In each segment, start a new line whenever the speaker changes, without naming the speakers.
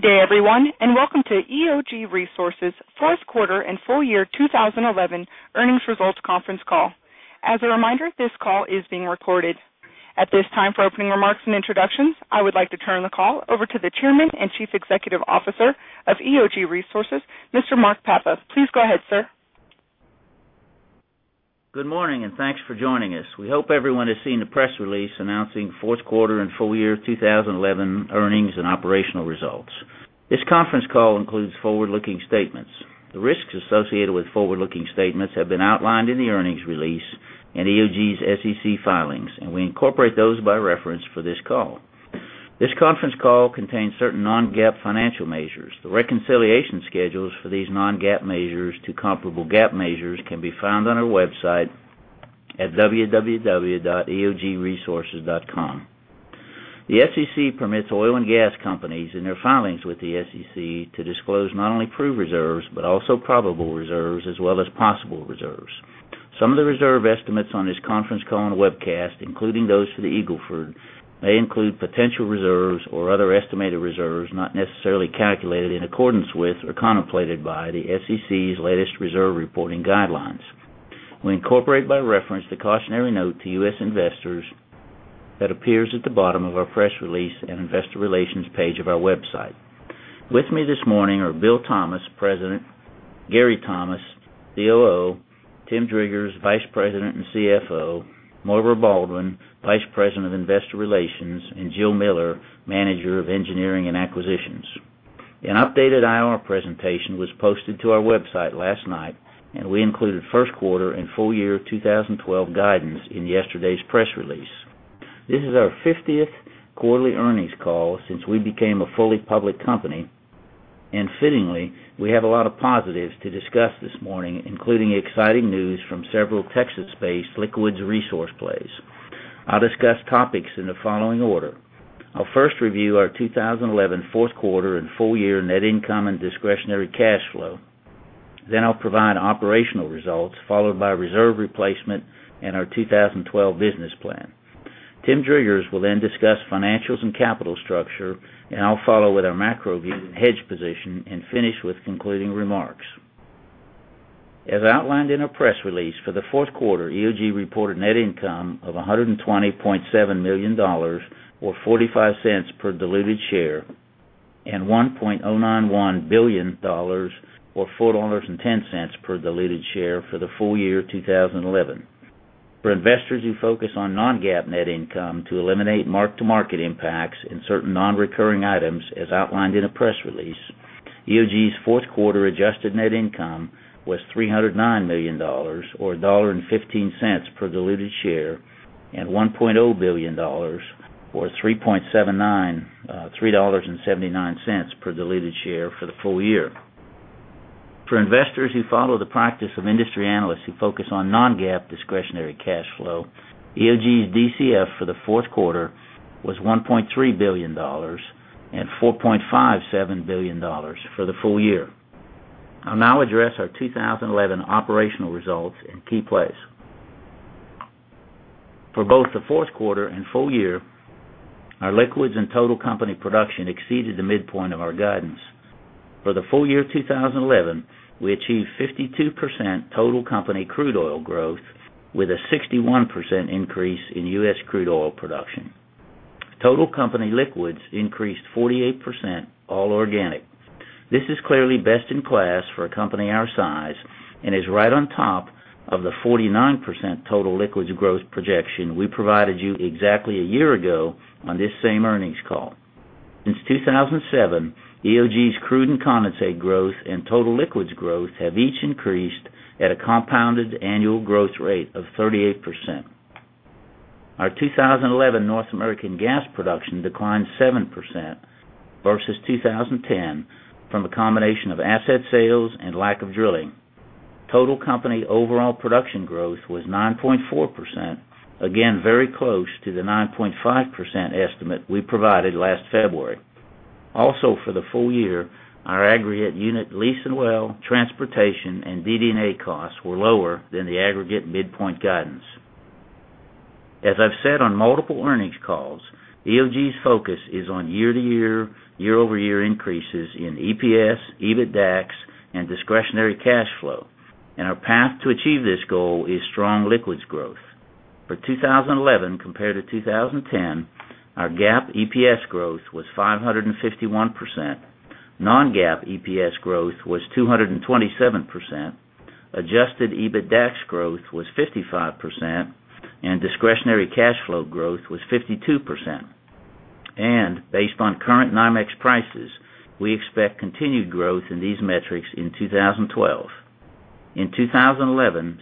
Good day, everyone, and welcome to EOG Resources' First Quarter and Full-Year 2011 Earnings Results Conference Call. As a reminder, this call is being recorded. At this time, for opening remarks and introductions, I would like to turn the call over to the Chairman and Chief Executive Officer of EOG Resources, Mr. Mark Papa. Please go ahead, sir.
Good morning, and thanks for joining us. We hope everyone has seen the press release announcing the fourth quarter and full-year 2011 earnings and operational results. This conference call includes forward-looking statements. The risks associated with forward-looking statements have been outlined in the earnings release and EOG's SEC filings, and we incorporate those by reference for this call. This conference call contains certain non-GAAP financial measures. The reconciliation schedules for these non-GAAP measures to comparable GAAP measures can be found on our website at www.eogresources.com. The SEC permits oil and gas companies, in their filings with the SEC, to disclose not only proved reserves but also probable reserves as well as possible reserves. Some of the reserve estimates on this conference call and webcast, including those for the Eagle Ford, may include potential reserves or other estimated reserves not necessarily calculated in accordance with or contemplated by the SEC's latest reserve reporting guidelines. We incorporate by reference the cautionary note to U.S. investors that appears at the bottom of our press release and investor relations page of our website. With me this morning are Bill Thomas, President; Gary Thomas, COO; Tim Driggers, Vice President and CFO; Maire A. Baldwin, Vice President of Investor Relations; and Jill Miller, Manager of Engineering and Acquisitions. An updated IR presentation was posted to our website last night, and we included first quarter and full-year 2012 guidance in yesterday's press release. This is our 50th quarterly earnings call since we became a fully public company, and fittingly, we have a lot of positives to discuss this morning, including exciting news from several Texas-based liquids resource plays. I'll discuss topics in the following order. I'll first review our 2011 fourth quarter and full-year net income and discretionary cash flow. Then I'll provide operational results followed by reserve replacement and our 2012 business plan. Tim Driggers will then discuss financials and capital structure, and I'll follow with our macro hedge position and finish with concluding remarks. As outlined in our press release, for the fourth quarter, EOG reported net income of $120.7 million or $0.45 per diluted share and $1.091 billion or $4.10 per diluted share for the full-year 2011. For investors who focus on non-GAAP net income to eliminate mark-to-market impacts in certain non-recurring items, as outlined in a press release, EOG's fourth quarter adjusted net income was $309 million or $1.15 per diluted share and $1.0 billion or $3.79 per diluted share for the full year. For investors who follow the practice of industry analysts who focus on non-GAAP discretionary cash flow, EOG's DCF for the fourth quarter was $1.3 billion and $4.57 billion for the full year. I'll now address our 2011 operational results and key plays. For both the fourth quarter and full year, our liquids and total company production exceeded the midpoint of our guidance. For the full year 2011, we achieved 52% total company crude oil growth with a 61% increase in U.S. crude oil production. Total company liquids increased 48%, all organic. This is clearly best in class for a company our size and is right on top of the 49% total liquids growth projection we provided you exactly a year ago on this same earnings call. Since 2007, EOG's crude and condensate growth and total liquids growth have each increased at a compounded annual growth rate of 38%. Our 2011 North American gas production declined 7% versus 2010 from a combination of asset sales and lack of drilling. Total company overall production growth was 9.4%, again very close to the 9.5% estimate we provided last February. Also, for the full year, our aggregate unit lease and well, transportation, and DD&A costs were lower than the aggregate midpoint guidance. As I've said on multiple earnings calls, EOG's focus is on year-to-year, year-over-year increases in EPS, EBITDAX, and discretionary cash flow, and our path to achieve this goal is strong liquids growth. For 2011 compared to 2010, our GAAP EPS growth was 551%, non-GAAP EPS growth was 227%, adjusted EBITDAX growth was 55%, and discretionary cash flow growth was 52%. Based on current NYMEX prices, we expect continued growth in these metrics in 2012. In 2011,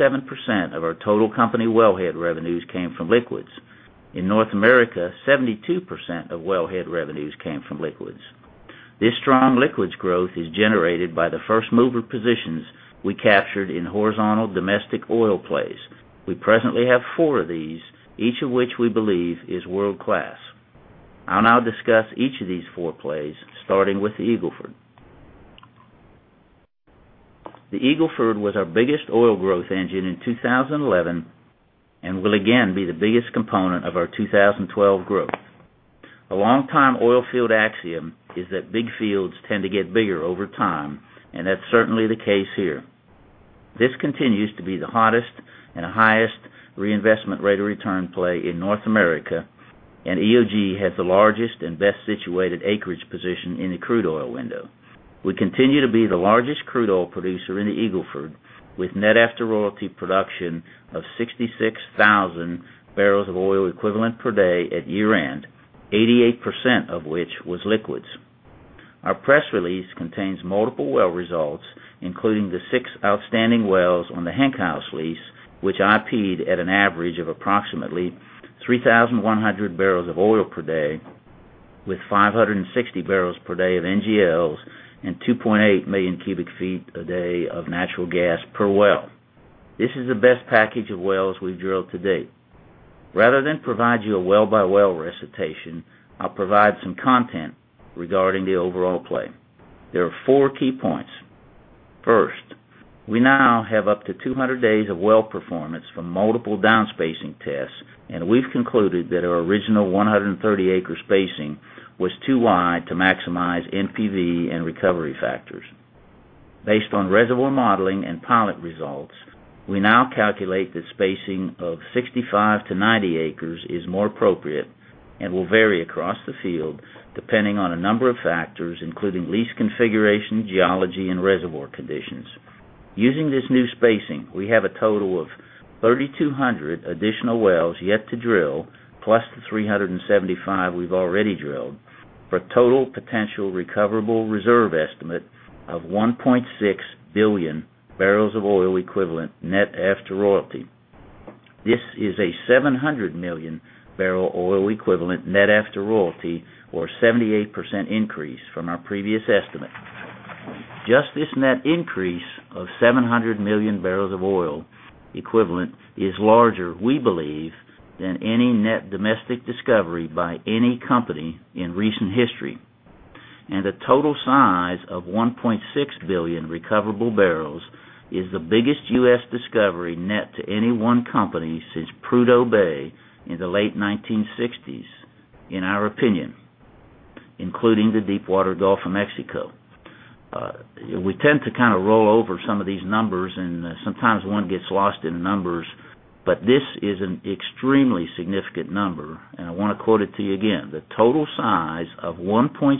67% of our total company wellhead revenues came from liquids. In North America, 72% of wellhead revenues came from liquids. This strong liquids growth is generated by the first mover positions we captured in horizontal domestic oil plays. We presently have four of these, each of which we believe is world-class. I'll now discuss each of these four plays, starting with the Eagle Ford. The Eagle Ford was our biggest oil growth engine in 2011 and will again be the biggest component of our 2012 growth. A long-time oil field axiom is that big fields tend to get bigger over time, and that's certainly the case here. This continues to be the hottest and highest reinvestment rate of return play in North America, and EOG has the largest and best situated acreage position in the crude oil window. We continue to be the largest crude oil producer in the Eagle Ford, with net after royalty production of 66,000 BOE per day at year-end, 88% of which was liquids. Our press release contains multiple well results, including the six outstanding wells on the Hank House lease, which IP'd at an average of approximately 3,100 bbl of oil per day, with 560 bpd of NGLs and 2.8 million cu ft a day of natural gas per well. This is the best package of wells we've drilled to date. Rather than provide you a well-by-well recitation, I'll provide some content regarding the overall play. There are four key points. First, we now have up to 200 days of well performance from multiple downspacing tests, and we've concluded that our original 130-acre spacing was too wide to maximize NPV and recovery factors. Based on reservoir modeling and pilot results, we now calculate that spacing of 65 acres-90 acres is more appropriate and will vary across the field depending on a number of factors, including lease configuration, geology, and reservoir conditions. Using this new spacing, we have a total of 3,200 additional wells yet to drill, plus the 375 we've already drilled for a total potential recoverable reserve estimate of 1.6 billion BOE net after royalty. This is a 700 million BOE net after royalty or 78% increase from our previous estimate. Just this net increase of 700 million BOE is larger, we believe, than any net domestic discovery by any company in recent history. The total size of 1.6 billion recoverable barrels is the biggest U.S. discovery net to any one company since Prudhoe Bay in the late 1960s, in our opinion, including the Deepwater Gulf of Mexico. We tend to kind of roll over some of these numbers, and sometimes one gets lost in the numbers, but this is an extremely significant number, and I want to quote it to you again. The total size of 1.6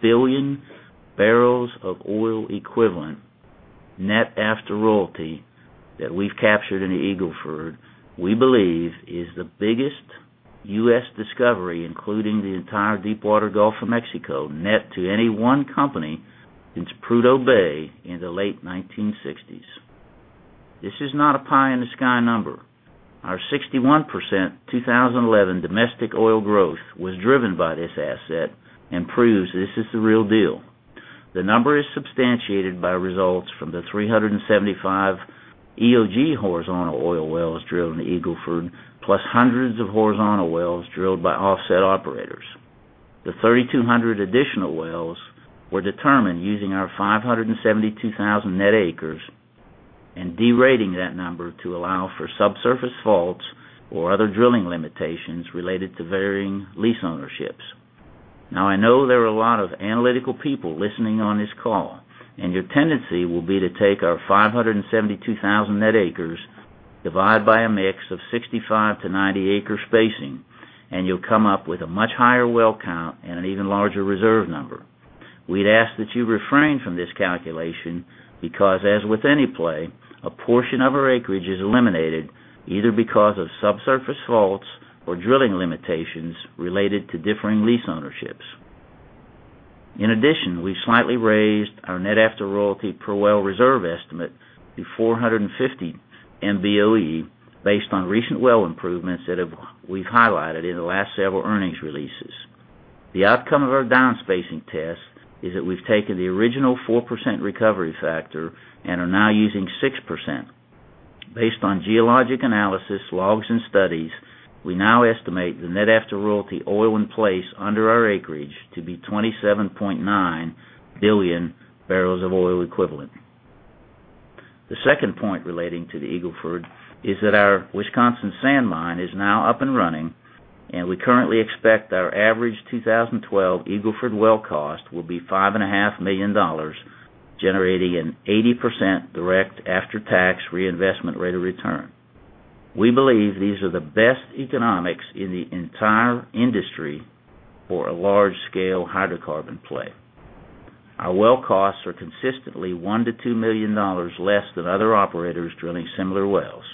billion BOE net after royalty that we've captured in the Eagle Ford, we believe, is the biggest U.S. discovery, including the entire Deepwater Gulf of Mexico, net to any one company since Prudhoe Bay in the late 1960s. This is not a pie-in-the-sky number. Our 61% 2011 domestic oil growth was driven by this asset and proves this is the real deal. The number is substantiated by results from the 375 EOG horizontal oil wells drilled in the Eagle Ford, plus hundreds of horizontal wells drilled by offset operators. The 3,200 additional wells were determined using our 572,000 net acres and derating that number to allow for subsurface faults or other drilling limitations related to varying lease ownerships. Now, I know there are a lot of analytical people listening on this call, and your tendency will be to take our 572,000 net acres, divide by a mix of 65 acre-90 acre spacing, and you'll come up with a much higher well count and an even larger reserve number. We'd ask that you refrain from this calculation because, as with any play, a portion of our acreage is eliminated either because of subsurface faults or drilling limitations related to differing lease ownerships. In addition, we've slightly raised our net after royalty per well reserve estimate to 450 MBOE based on recent well improvements that we've highlighted in the last several earnings releases. The outcome of our downspacing test is that we've taken the original 4% recovery factor and are now using 6%. Based on geologic analysis logs and studies, we now estimate the net after royalty oil in place under our acreage to be 27.9 billion BOE. The second point relating to the Eagle Ford is that our Wisconsin sand mine is now up and running, and we currently expect our average 2012 Eagle Ford well cost will be $5.5 million, generating an 80% direct after-tax reinvestment rate of return. We believe these are the best economics in the entire industry for a large-scale hydrocarbon play. Our well costs are consistently $1 million-$2 million less than other operators drilling similar wells.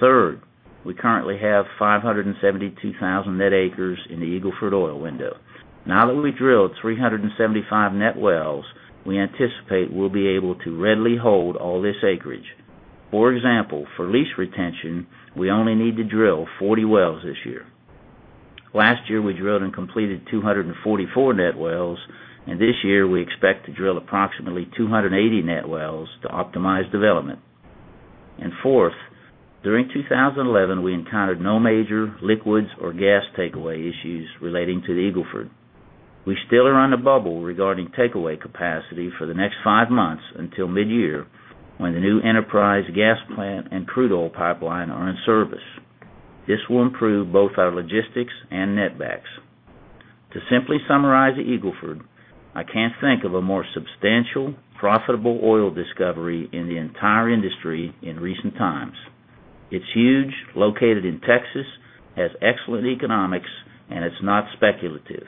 Third, we currently have 572,000 net acres in the Eagle Ford oil window. Now that we drilled 375 net wells, we anticipate we'll be able to readily hold all this acreage. For example, for lease retention, we only need to drill 40 wells this year. Last year, we drilled and completed 244 net wells, and this year we expect to drill approximately 280 net wells to optimize development. Fourth, during 2011, we encountered no major liquids or gas takeaway issues relating to the Eagle Ford. We still are in a bubble regarding takeaway capacity for the next five months until mid-year when the new Enterprise gas plant and crude oil pipeline are in service. This will improve both our logistics and net BEX. To simply summarize the Eagle Ford, I can't think of a more substantial, profitable oil discovery in the entire industry in recent times. It's huge, located in Texas, has excellent economics, and it's not speculative.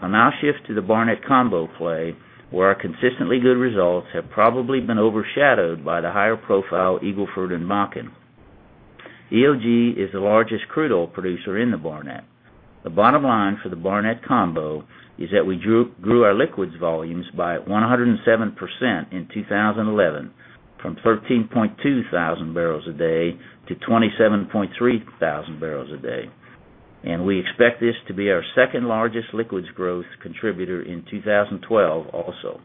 I'll now shift to the Barnett Combo play, where our consistently good results have probably been overshadowed by the higher-profile Eagle Ford and Bakken. EOG is the largest crude oil producer in the Barnett. The bottom line for the Barnett Combo is that we grew our liquids volumes by 107% in 2011 from 13.2 thousand bpd to 27.3 thousand bpd, and we expect this to be our second largest liquids growth contributor in 2012 also.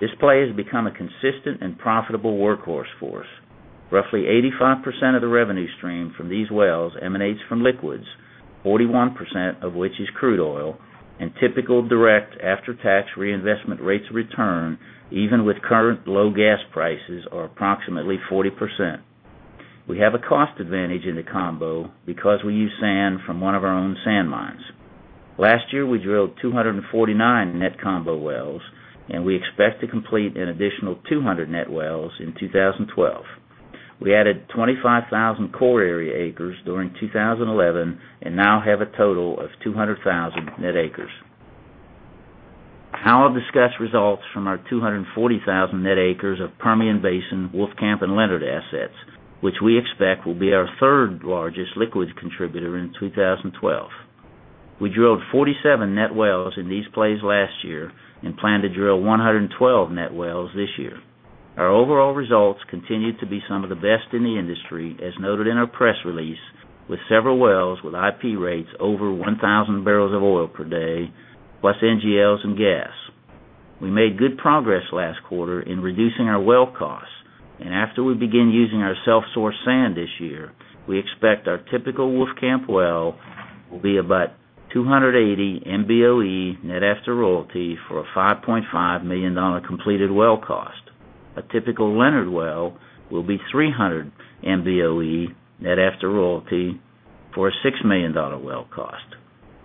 This play has become a consistent and profitable workhorse for us. Roughly 85% of the revenue stream from these wells emanates from liquids, 41% of which is crude oil, and typical direct after-tax reinvestment rates of return, even with current low gas prices, are approximately 40%. We have a cost advantage in the Combo because we use sand from one of our own sand mines. Last year, we drilled 249 net Combo wells, and we expect to complete an additional 200 net wells in 2012. We added 25,000 core area acres during 2011 and now have a total of 200,000 net acres. Now I'll discuss results from our 240,000 net acres of Permian Basin, Wolfcamp, and Leonard assets, which we expect will be our third largest liquids contributor in 2012. We drilled 47 net wells in these plays last year and plan to drill 112 net wells this year. Our overall results continue to be some of the best in the industry, as noted in our press release, with several wells with IP rates over 1,000 bbl of oil per day, plus NGLs and gas. We made good progress last quarter in reducing our well costs, and after we begin using our self-sourced sand this year, we expect our typical Wolfcamp well will be about 280 MBOE net after royalty for a $5.5 million completed well cost. A typical Leonard well will be 300 MBOE net after royalty for a $6 million well cost.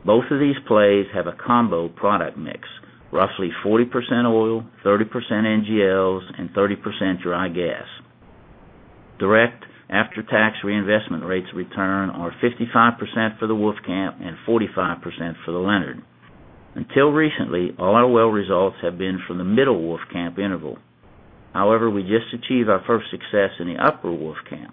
Both of these plays have a Combo product mix, roughly 40% oil, 30% NGLs, and 30% dry gas. Direct after-tax reinvestment rates of return are 55% for the Wolfcamp and 45% for the Leonard. Until recently, all our well results have been from the middle Wolfcamp interval. However, we just achieved our first success in the upper Wolfcamp.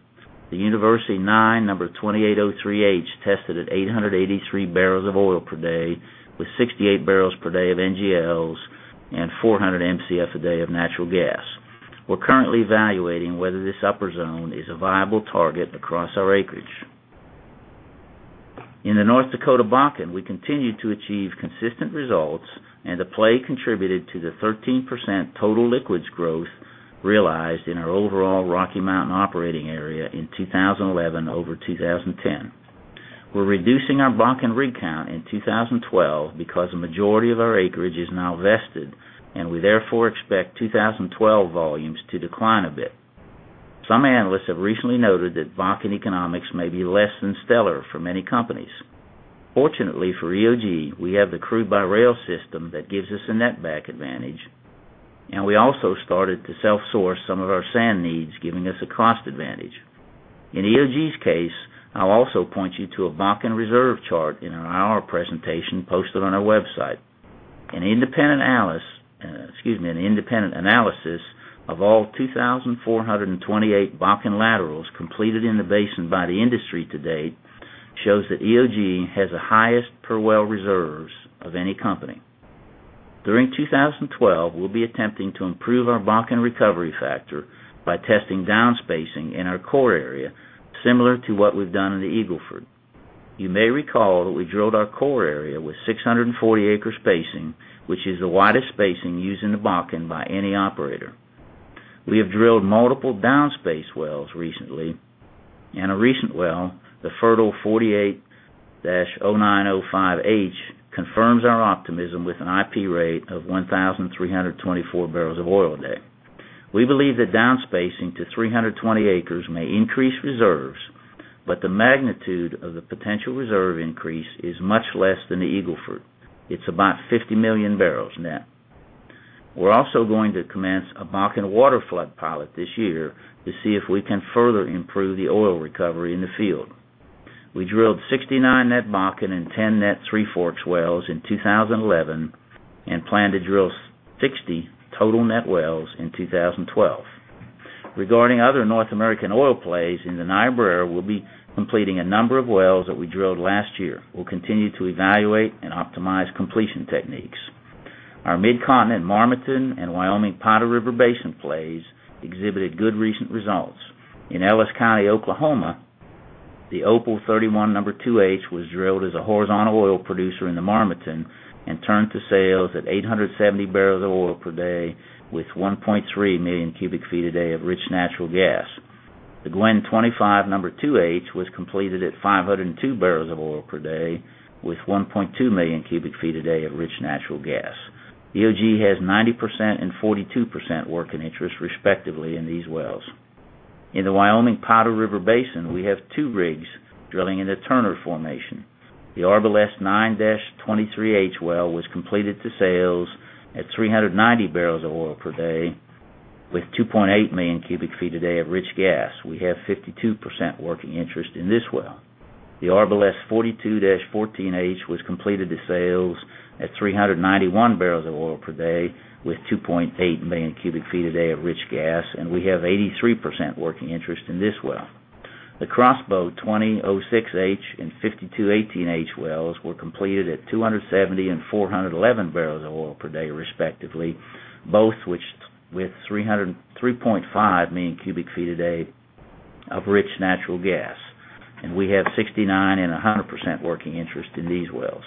The University Nine number 2803H tested at 883 bbl of oil per day, with 68 bpd of NGLs and 400 MCF a day of natural gas. We're currently evaluating whether this upper zone is a viable target across our acreage. In the North Dakota Bakken, we continue to achieve consistent results, and the play contributed to the 13% total liquids growth realized in our overall Rocky Mountain operating area in 2011 over 2010. We're reducing our Bakken rig count in 2012 because a majority of our acreage is now vested, and we therefore expect 2012 volumes to decline a bit. Some analysts have recently noted that Bakken economics may be less than stellar for many companies. Fortunately for EOG, we have the crude-by-rail system that gives us a net back advantage, and we also started to self-source some of our sand needs, giving us a cost advantage. In EOG's case, I'll also point you to a Bakken reserve chart in our IR presentation posted on our website. An independent analysis of all 2,428 Bakken laterals completed in the basin by the industry to date shows that EOG has the highest per well reserves of any company. During 2012, we'll be attempting to improve our Bakken recovery factor by testing downspacing in our core area, similar to what we've done in the Eagle Ford. You may recall that we drilled our core area with 640 acre spacing, which is the widest spacing used in the Bakken by any operator. We have drilled multiple downspace wells recently, and a recent well, the Fertile 48-0905H, confirms our optimism with an IP rate of 1,324 bbl of oil a day. We believe that downspacing to 320 acres may increase reserves, but the magnitude of the potential reserve increase is much less than the Eagle Ford. It's about 50 MMbbl net. We're also going to commence a Bakken water flood pilot this year to see if we can further improve the oil recovery in the field. We drilled 69 net Bakken and 10 net Three Forks wells in 2011 and plan to drill 60 total net wells in 2012. Regarding other North American oil plays in the Niobrara, we'll be completing a number of wells that we drilled last year. We'll continue to evaluate and optimize completion techniques. Our Mid-Continent Marmaton and Wyoming Powder River Basin plays exhibited good recent results. In Ellis County, Oklahoma, the Opal 31 No. 2H was drilled as a horizontal oil producer in the Marmaton and turned to sales at 870 bbl of oil per day with 1.3 million cu ft a day of rich natural gas. The Gwen 25 No. 2H was completed at 502 bbl of oil per day with 1.2 million cu ft a day of rich natural gas. EOG has 90% and 42% working interests, respectively, in these wells. In the Wyoming Powder River Basin, we have two rigs drilling in the Turner Formation. The Arbalest 9-23H well was completed to sales at 390 bbl of oil per day with 2.8 million cu ft a day of rich gas. We have 52% working interest in this well. The Arbalest 42-14H was completed to sales at 391 bbl of oil per day with 2.8 million cu ft a day of rich gas, and we have 83% working interest in this well. The Crossbow 20-06H and 52-18H wells were completed at 270 bbl and 411 barrels of oil per day, respectively, both with 3.5 million cu ft a day of rich natural gas, and we have 69% and 100% working interest in these wells.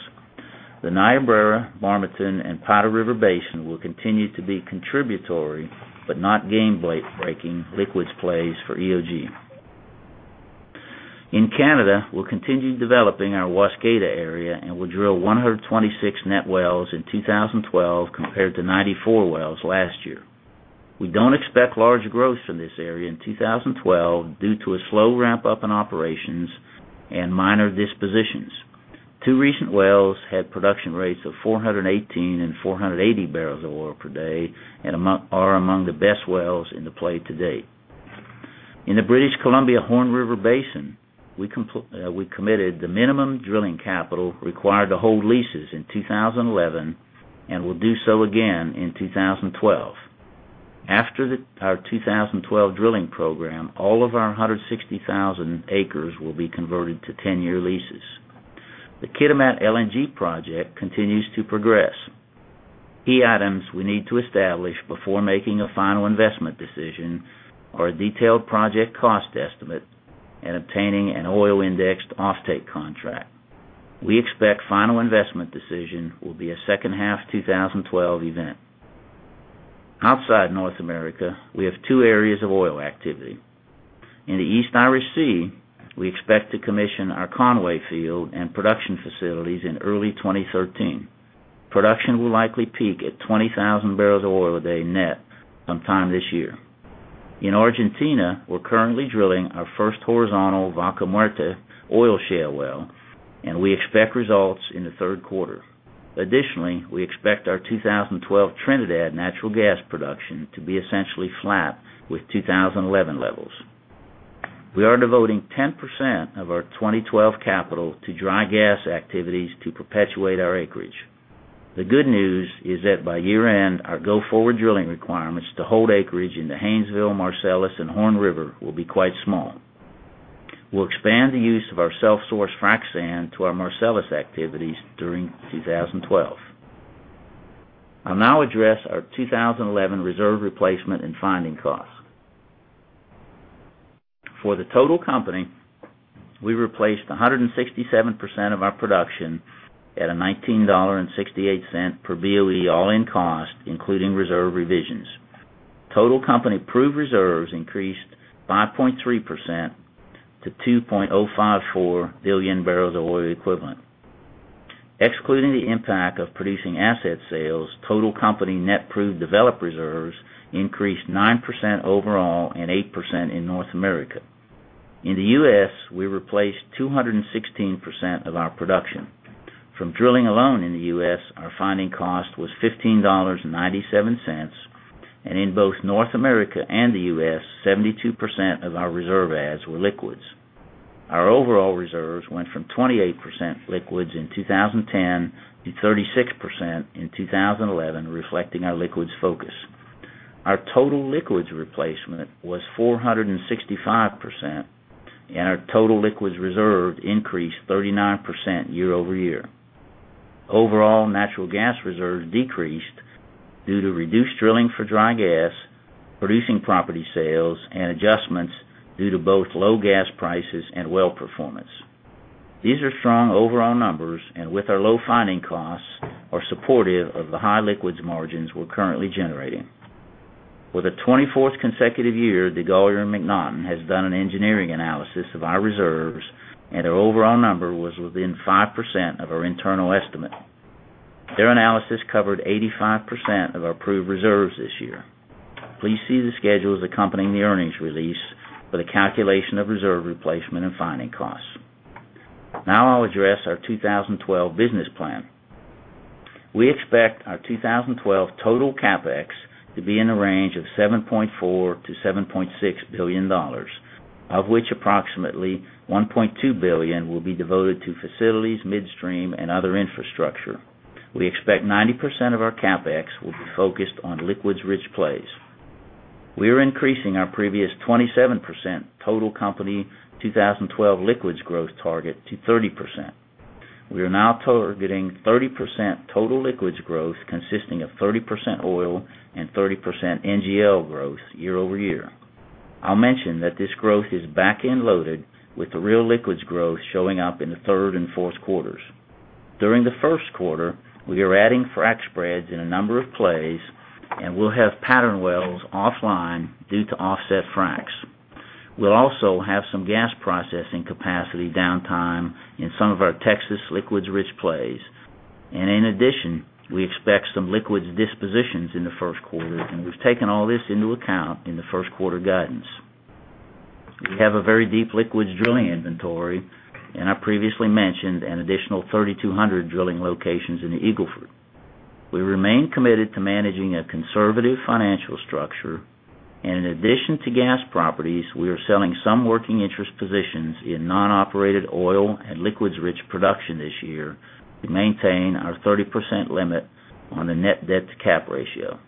The Niobrara, Marmaton, and Powder River Basin will continue to be contributory but not game-breaking liquids plays for EOG. In Canada, we'll continue developing our Waskada area, and we'll drill 126 net wells in 2012 compared to 94 wells last year. We don't expect large growth from this area in 2012 due to a slow ramp-up in operations and minor dispositions. Two recent wells had production rates of 418 bbl and 480 barrels of oil per day and are among the best wells in the play to date. In the British Columbia Horn River Basin, we committed the minimum drilling capital required to hold leases in 2011 and will do so again in 2012. After our 2012 drilling program, all of our 160,000 acres will be converted to 10-year leases. The Kitimat LNG project continues to progress. Key items we need to establish before making a final investment decision are a detailed project cost estimate and obtaining an oil-indexed offtake contract. We expect the final investment decision will be a second-half 2012 event. Outside North America, we have two areas of oil activity. In the East Irish Sea, we expect to commission our Conway field and production facilities in early 2013. Production will likely peak at 20,000 bbl of oil a day net sometime this year. In Argentina, we're currently drilling our first horizontal Vaca Muerta oil shale well, and we expect results in the third quarter. Additionally, we expect our 2012 Trinidad natural gas production to be essentially flat with 2011 levels. We are devoting 10% of our 2012 capital to dry gas activities to perpetuate our acreage. The good news is that by year-end, our go-forward drilling requirements to hold acreage in the Haynesville, Marcellus, and Horn River will be quite small. We'll expand the use of our self-sourced sand to our Marcellus activities during 2012. I'll now address our 2011 reserve replacement and finding cost. For the total company, we replaced 167% of our production at a $19.68 per BOE all-in cost, including reserve revisions. Total company proved reserves increased 5.3% to 2.054 billion BOE. Excluding the impact of producing asset sales, total company net proved developed reserves increased 9% overall and 8% in North America. In the U.S., we replaced 216% of our production. From drilling alone in the U.S., our finding cost was $15.97, and in both North America and the U.S., 72% of our reserve adds were liquids. Our overall reserves went from 28% liquids in 2010 to 36% in 2011, reflecting our liquids focus. Our total liquids replacement was 465%, and our total liquids reserves increased 39% year-over-year. Overall, natural gas reserves decreased due to reduced drilling for dry gas, producing property sales, and adjustments due to both low gas prices and well performance. These are strong overall numbers, and with our low finding costs, are supportive of the high liquids margins we're currently generating. For the 24th consecutive year, DeGolyer and MacNaughton has done an engineering analysis of our reserves, and our overall number was within 5% of our internal estimate. Their analysis covered 85% of our proved reserves this year. Please see the schedules accompanying the earnings release for the calculation of reserve replacement and finding costs. Now I'll address our 2012 business plan. We expect our 2012 total CapEx to be in the range of $7.4 billion-$7.6 billion, of which approximately $1.2 billion will be devoted to facilities, midstream, and other infrastructure. We expect 90% of our CapEx will be focused on liquids-rich plays. We are increasing our previous 27% total company 2012 liquids growth target to 30%. We are now targeting 30% total liquids growth, consisting of 30% oil and 30% NGL growth year-over-year. I'll mention that this growth is back-end loaded, with the real liquids growth showing up in the third and fourth quarters. During the first quarter, we are adding frac spreads in a number of plays, and we'll have pattern wells offline due to offset fracs. We'll also have some gas processing capacity downtime in some of our Texas liquids-rich plays, and in addition, we expect some liquids dispositions in the first quarter, and we've taken all this into account in the first quarter guidance. We have a very deep liquids drilling inventory, and I previously mentioned an additional 3,200 drilling locations in the Eagle Ford. We remain committed to managing a conservative financial structure, and in addition to gas properties, we are selling some working interest positions in non-operated oil and liquids-rich production this year to maintain our 30% limit on the net debt-to-capitalization ratio.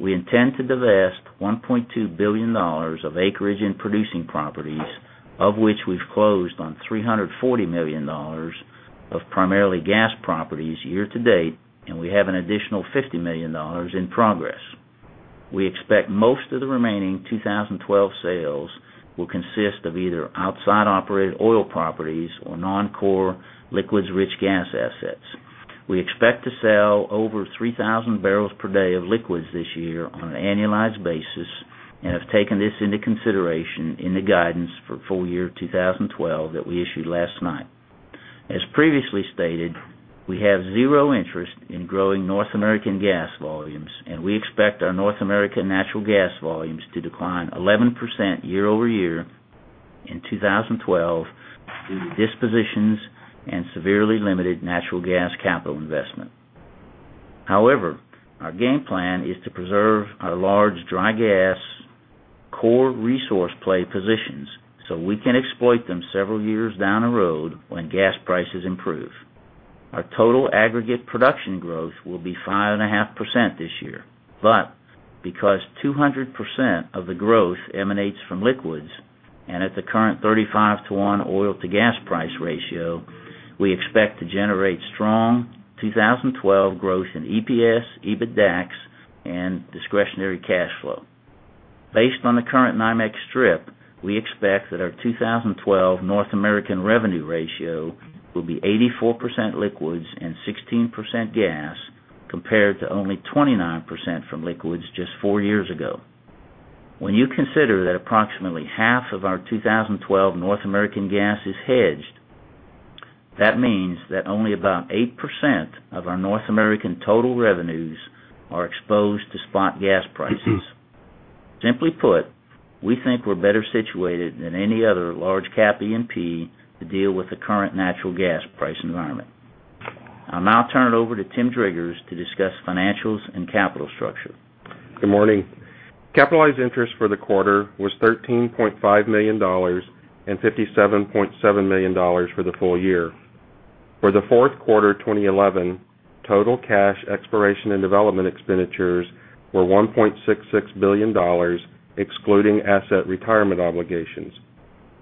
We intend to divest $1.2 billion of acreage in producing properties, of which we've closed on $340 million of primarily gas properties year to date, and we have an additional $50 million in progress. We expect most of the remaining 2012 sales will consist of either outside operated oil properties or non-core liquids-rich gas assets. We expect to sell over 3,000 bpd of liquids this year on an annualized basis and have taken this into consideration in the guidance for full-year 2012 that we issued last night. As previously stated, we have zero interest in growing North American gas volumes, and we expect our North American natural gas volumes to decline 11% year-over-year in 2012 due to dispositions and severely limited natural gas capital investment. However, our game plan is to preserve our large dry gas core resource play positions so we can exploit them several years down the road when gas prices improve. Our total aggregate production growth will be 5.5% this year, but because 200% of the growth emanates from liquids and at the current 35:1 oil-to-gas price ratio, we expect to generate strong 2012 growth in EPS, EBITDAX, and discretionary cash flow. Based on the current NYMEX strip, we expect that our 2012 North American revenue ratio will be 84% liquids and 16% gas compared to only 29% from liquids just four years ago. When you consider that approximately half of our 2012 North American gas is hedged, that means that only about 8% of our North American total revenues are exposed to spot gas prices. Simply put, we think we're better situated than any other large-cap E&P to deal with the current natural gas price environment. I'll now turn it over to Tim Driggers to discuss financials and capital structure.
Good morning. Capitalized interest for the quarter was $13.5 million and $57.7 million for the full year. For the fourth quarter 2011, total cash exploration and development expenditures were $1.66 billion, excluding asset retirement obligations.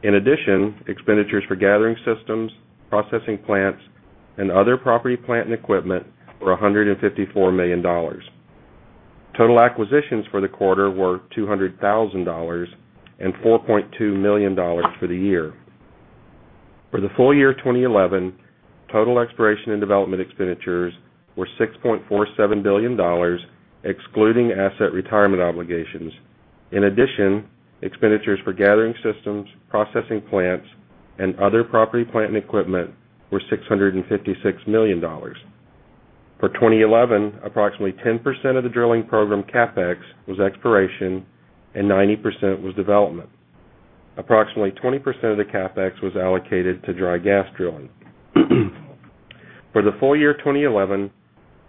In addition, expenditures for gathering systems, processing plants, and other property, plant, and equipment were $154 million. Total acquisitions for the quarter were $200,000 and $4.2 million for the year. For the full year 2011, total exploration and development expenditures were $6.47 billion, excluding asset retirement obligations. In addition, expenditures for gathering systems, processing plants, and other property, plant, and equipment were $656 million. For 2011, approximately 10% of the drilling program CapEx was exploration and 90% was development. Approximately 20% of the CapEx was allocated to dry gas drilling. For the full year 2011,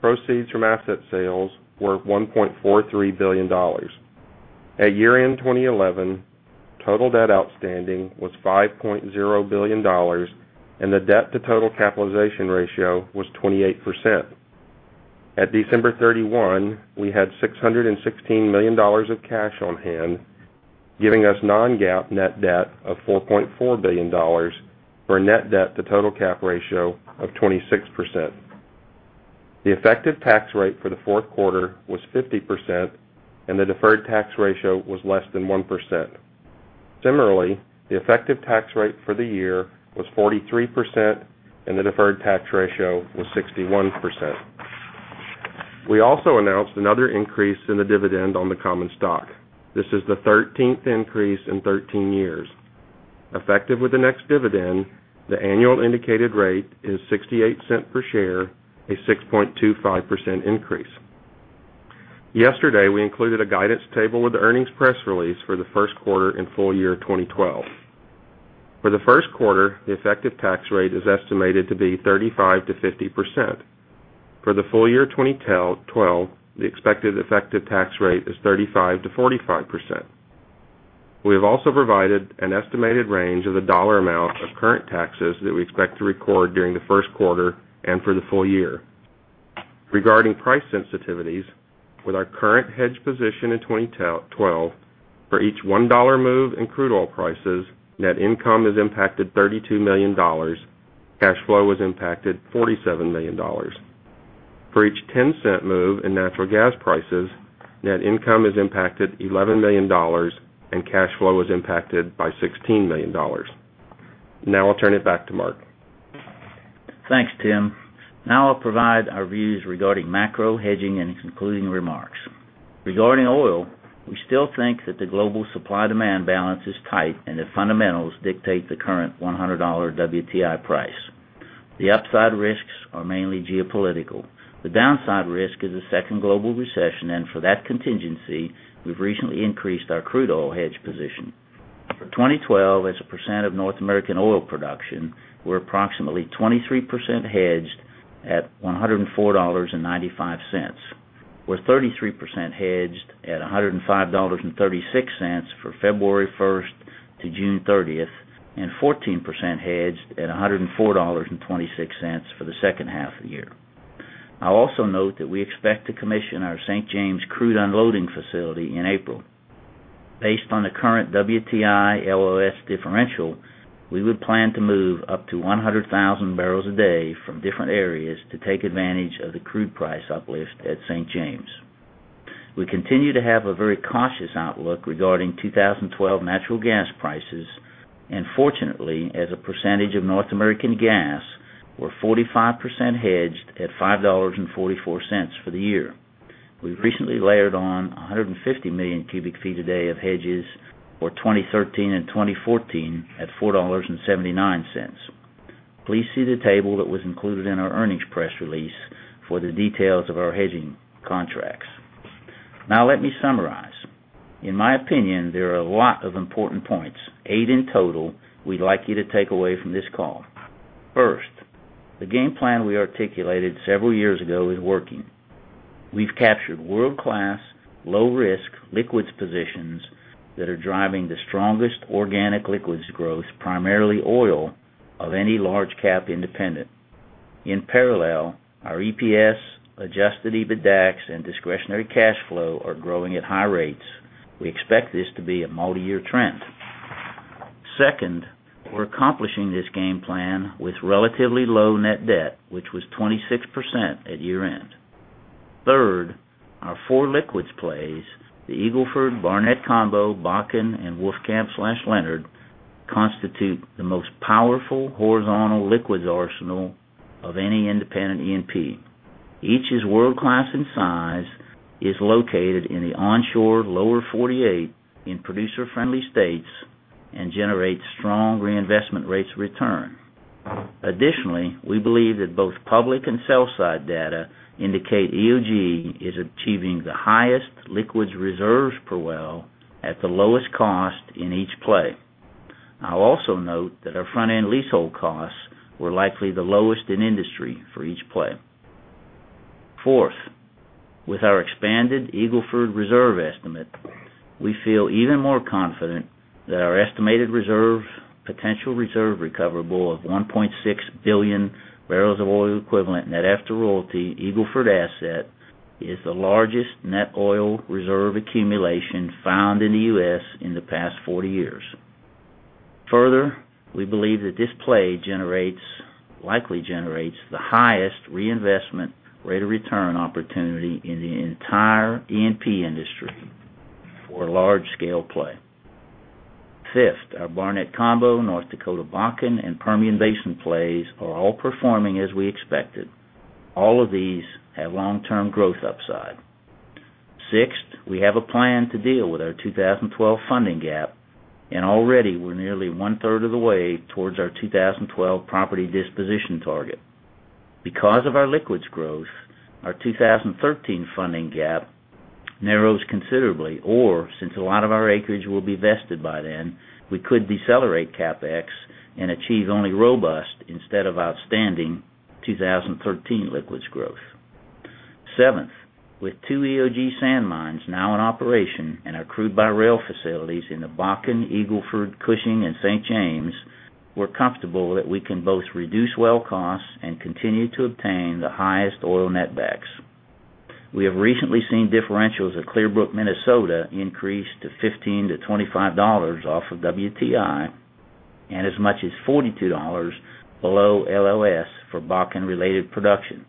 proceeds from asset sales were $1.43 billion. At year-end 2011, total debt outstanding was $5.0 billion, and the debt-to-total capitalization ratio was 28%. At December 31, we had $616 million of cash on hand, giving us non-GAAP net debt of $4.4 billion for a net debt-to-total cap ratio of 26%. The effective tax rate for the fourth quarter was 50%, and the deferred tax ratio was less than 1%. Similarly, the effective tax rate for the year was 43%, and the deferred tax ratio was 61%. We also announced another increase in the dividend on the common stock. This is the 13th increase in 13 years. Effective with the next dividend, the annual indicated rate is $0.68 per share, a 6.25% increase. Yesterday, we included a guidance table with the earnings press release for the first quarter and full year 2012. For the first quarter, the effective tax rate is estimated to be 35%-50%. For the full year 2012, the expected effective tax rate is 35%-45%. We have also provided an estimated range of the dollar amount of current taxes that we expect to record during the first quarter and for the full year. Regarding price sensitivities, with our current hedge position in 2012, for each $1 move in crude oil prices, net income is impacted $32 million. Cash flow is impacted $47 million. For each $0.10 move in natural gas prices, net income is impacted $11 million, and cash flow is impacted by $16 million. Now I'll turn it back to Mark.
Thanks, Tim. Now I'll provide our views regarding macro hedging and concluding remarks. Regarding oil, we still think that the global supply-demand balance is tight and that fundamentals dictate the current $100 WTI price. The upside risks are mainly geopolitical. The downside risk is a second global recession, and for that contingency, we've recently increased our crude oil hedge position. For 2012, as a percentage of North American oil production, we're approximately 23% hedged at $104.95. We're 33% hedged at $105.36 for February 1st to June 30th and 14% hedged at $104.26 for the second half of the year. I'll also note that we expect to commission our St. James crude unloading facility in April. Based on the current WTI LOS differential, we would plan to move up to 100,000 bbl a day from different areas to take advantage of the crude price uplift at St. James. We continue to have a very cautious outlook regarding 2012 natural gas prices, and fortunately, as a percentage of North American gas, we're 45% hedged at $5.44 for the year. We recently layered on 150 million cu ft a day of hedges for 2013 and 2014 at $4.79. Please see the table that was included in our earnings press release for the details of our hedging contracts. Now let me summarize. In my opinion, there are a lot of important points, eight in total, we'd like you to take away from this call. First, the game plan we articulated several years ago is working. We've captured world-class, low-risk liquids positions that are driving the strongest organic liquids growth, primarily oil, of any large-cap independent. In parallel, our EPS, adjusted EBITDAX, and discretionary cash flow are growing at high rates. We expect this to be a multi-year trend. Second, we're accomplishing this game plan with relatively low net debt, which was 26% at year-end. Third, our four liquids plays, the Eagle Ford, Barnett Combo, Bakken, and Wolfcamp/Leonard, constitute the most powerful horizontal liquids arsenal of any independent E&P. Each is world-class in size, is located in the onshore lower 48 in producer-friendly states, and generates strong reinvestment rates of return. Additionally, we believe that both public and sell-side data indicate EOG is achieving the highest liquids reserves per well at the lowest cost in each play. I'll also note that our front-end leasehold costs were likely the lowest in industry for each play. Fourth, with our expanded Eagle Ford reserve estimate, we feel even more confident that our estimated reserve, potential reserve recoverable of 1.6 billion BOE net after royalty Eagle Ford asset is the largest net oil reserve accumulation found in the U.S. in the past 40 years. Further, we believe that this play likely generates the highest reinvestment rate of return opportunity in the entire E&P industry for a large-scale play. Fifth, our Barnett Combo, North Dakota Bakken, and Permian Basin plays are all performing as we expected. All of these have long-term growth upside. Sixth, we have a plan to deal with our 2012 funding gap, and already we're nearly one-third of the way towards our 2012 property disposition target. Because of our liquids growth, our 2013 funding gap narrows considerably, or since a lot of our acreage will be vested by then, we could decelerate CapEx and achieve only robust instead of outstanding 2013 liquids growth. Seventh, with two EOG sand mines now in operation and our crude-by-rail facilities in the Bakken, Eagle Ford, Cushing, and St. James, we're comfortable that we can both reduce well costs and continue to obtain the highest oil net BEX. We have recently seen differentials at Clearbrook, Minnesota, increase to $15-$25 off of WTI and as much as $42 below LLS for Bakken-related production.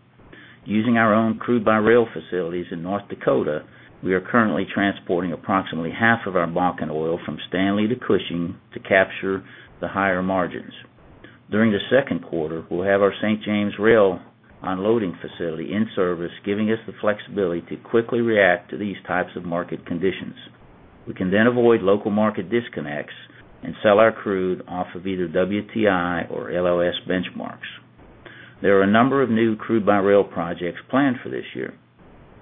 Using our own crude-by-rail facilities in North Dakota, we are currently transporting approximately half of our Bakken oil from Stanley to Cushing to capture the higher margins. During the second quarter, we'll have our St. James rail unloading facility in service, giving us the flexibility to quickly react to these types of market conditions. We can then avoid local market disconnects and sell our crude off of either WTI or LLS benchmarks. There are a number of new crude-by-rail projects planned for this year.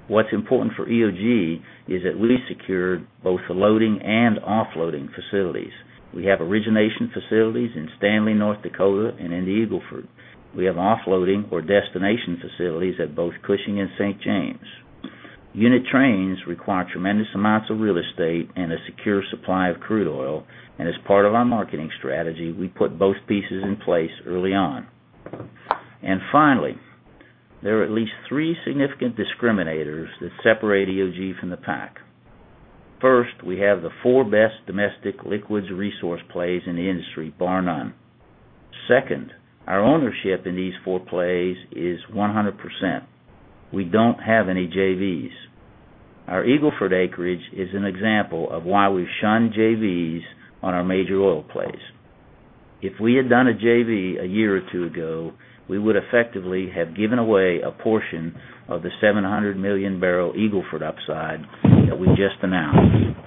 What's important for EOG is that we secured both the loading and offloading facilities. We have origination facilities in Stanley, North Dakota, and in the Eagle Ford. We have offloading or destination facilities at both Cushing and St. James. Unit trains require tremendous amounts of real estate and a secure supply of crude oil, and as part of our marketing strategy, we put both pieces in place early on. Finally, there are at least three significant discriminators that separate EOG from the pack. First, we have the four best domestic liquids resource plays in the industry, bar none. Second, our ownership in these four plays is 100%. We don't have any JVs. Our Eagle Ford acreage is an example of why we've shunned JVs on our major oil plays. If we had done a JV a year or two ago, we would effectively have given away a portion of the 700 MMbbl Eagle Ford upside that we just announced.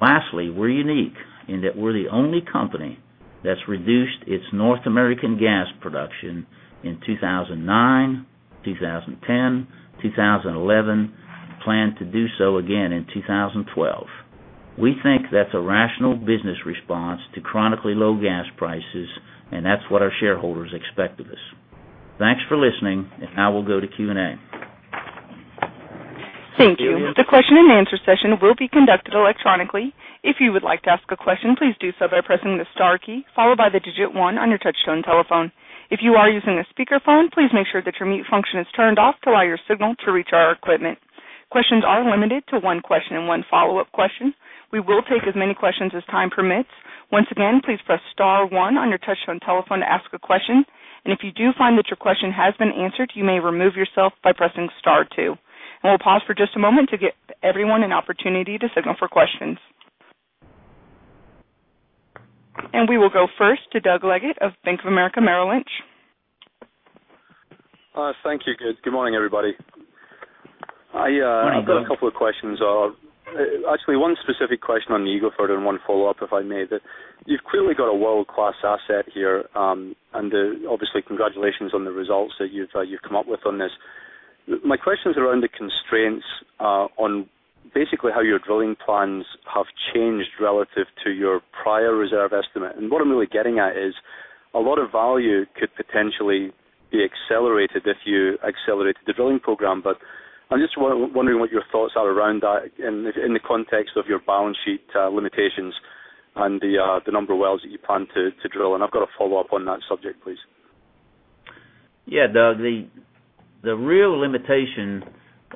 Lastly, we're unique in that we're the only company that's reduced its North American gas production in 2009, 2010, 2011, and plan to do so again in 2012. We think that's a rational business response to chronically low gas prices, and that's what our shareholders expect of us. Thanks for listening, and now we'll go to Q&A.
The question and answer session will be conducted electronically. If you would like to ask a question, please do so by pressing the star key followed by the digit one on your touch-tone telephone. If you are using a speakerphone, please make sure that your mute function is turned off to allow your signal to reach our equipment. Questions are limited to one question and one follow-up question. We will take as many questions as time permits. Once again, please press star one on your touch-tone telephone to ask a question. If you do find that your question has been answered, you may remove yourself by pressing star two. We will pause for just a moment to give everyone an opportunity to signal for questions. We will go first to Doug Leggate of Bank of America Merrill Lynch.
Thank you. Good morning, everybody.
Morning.
I've got a couple of questions. Actually, one specific question on the Eagle Ford and one follow-up, if I may, that you've clearly got a world-class asset here, and obviously, congratulations on the results that you've come up with on this. My question is around the constraints on basically how your drilling plans have changed relative to your prior reserve estimate. What I'm really getting at is a lot of value could potentially be accelerated if you accelerated the drilling program. I'm just wondering what your thoughts are around that in the context of your balance sheet limitations and the number of wells that you plan to drill. I've got a follow-up on that subject, please.
Yeah, Doug, the real limitation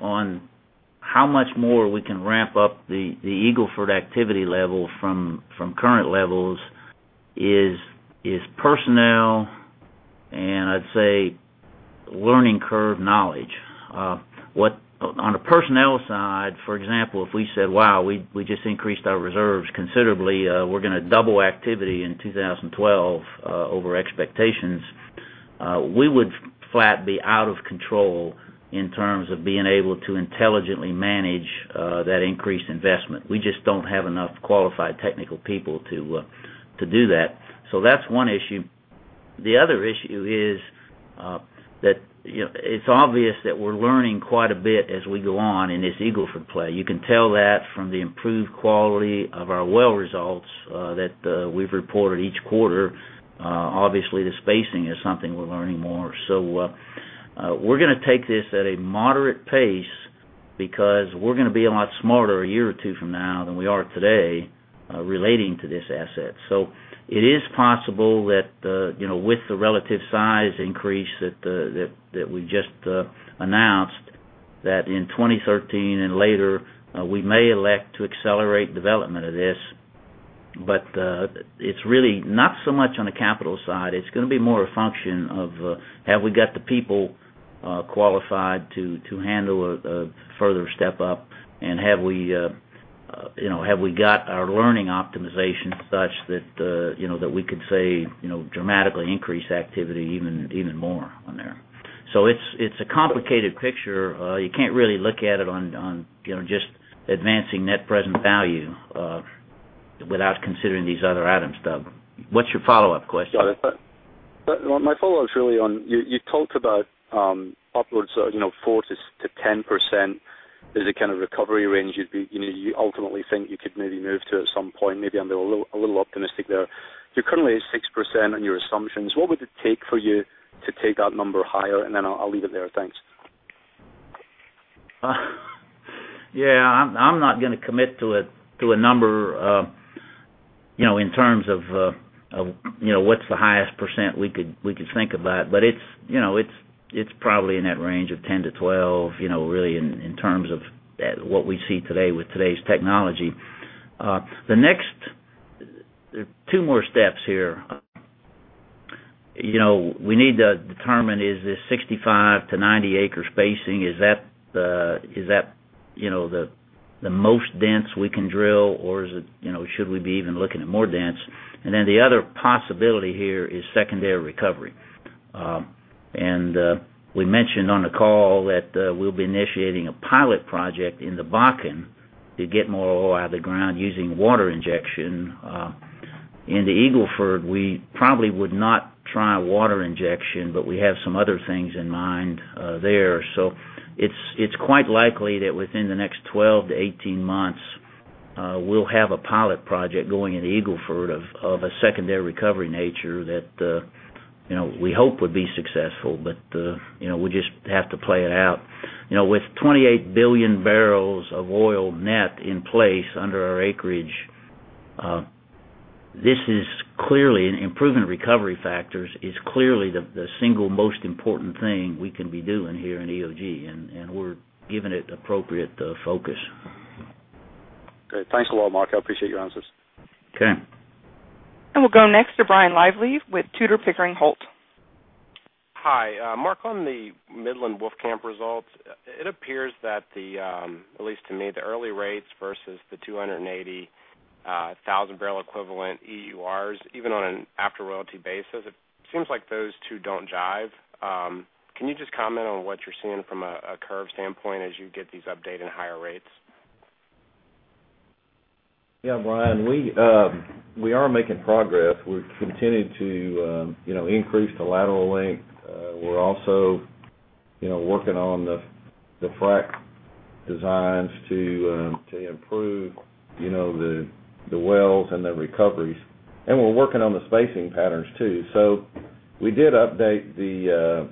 on how much more we can ramp up the Eagle Ford activity level from current levels is personnel, and I'd say learning curve knowledge. On the personnel side, for example, if we said, "Wow, we just increased our reserves considerably. We're going to double activity in 2012 over expectations," we would flat be out of control in terms of being able to intelligently manage that increased investment. We just don't have enough qualified technical people to do that. That's one issue. The other issue is that it's obvious that we're learning quite a bit as we go on in this Eagle Ford play. You can tell that from the improved quality of our well results that we've reported each quarter. Obviously, the spacing is something we're learning more. We are going to take this at a moderate pace because we're going to be a lot smarter a year or two from now than we are today relating to this asset. It is possible that with the relative size increase that we just announced, that in 2013 and later, we may elect to accelerate development of this, but it's really not so much on the capital side. It's going to be more a function of have we got the people qualified to handle a further step up, and have we got our learning optimization such that we could say dramatically increase activity even more on there. It's a complicated picture. You can't really look at it on just advancing net present value without considering these other items, Doug. What's your follow-up question?
My follow-up is really on you talked about upwards of 4%-10% as a kind of recovery range. You ultimately think you could maybe move to at some point, maybe I'm a little optimistic there. You're currently at 6% on your assumptions. What would it take for you to take that number higher? I'll leave it there. Thanks.
Yeah, I'm not going to commit to a number in terms of what's the highest percent we could think about, but it's probably in that range of 10%-12%, really in terms of what we see today with today's technology. The next two more steps here, we need to determine is this 65 acre-90 acre spacing, is that the most dense we can drill, or should we be even looking at more dense? The other possibility here is secondary recovery. We mentioned on the call that we'll be initiating a pilot project in the Bakken to get more oil out of the ground using water injection. In the Eagle Ford, we probably would not try water injection, but we have some other things in mind there. It's quite likely that within the next 12-18 months, we'll have a pilot project going in the Eagle Ford of a secondary recovery nature that we hope would be successful, but we just have to play it out. With 28 billion bbl of oil net in place under our acreage, this is clearly an improvement in recovery factors, is clearly the single most important thing we can be doing here in EOG, and we're giving it appropriate focus.
Great. Thanks a lot, Mark. I appreciate your answers.
Okay.
We will go next to Brian Lively with Tudor, Pickering, Holt.
Hi. Mark, on the Midland Wolfcamp results, it appears that, at least to me, the early rates versus the 280,000 barrel equivalent EURs, even on an after royalty basis, it seems like those two don't jive. Can you just comment on what you're seeing from a curve standpoint as you get these updated higher rates?
Yeah, Brian, we are making progress. We're continuing to increase the lateral length. We're also working on the frac designs to improve the wells and the recoveries. We're working on the spacing patterns too. We did update the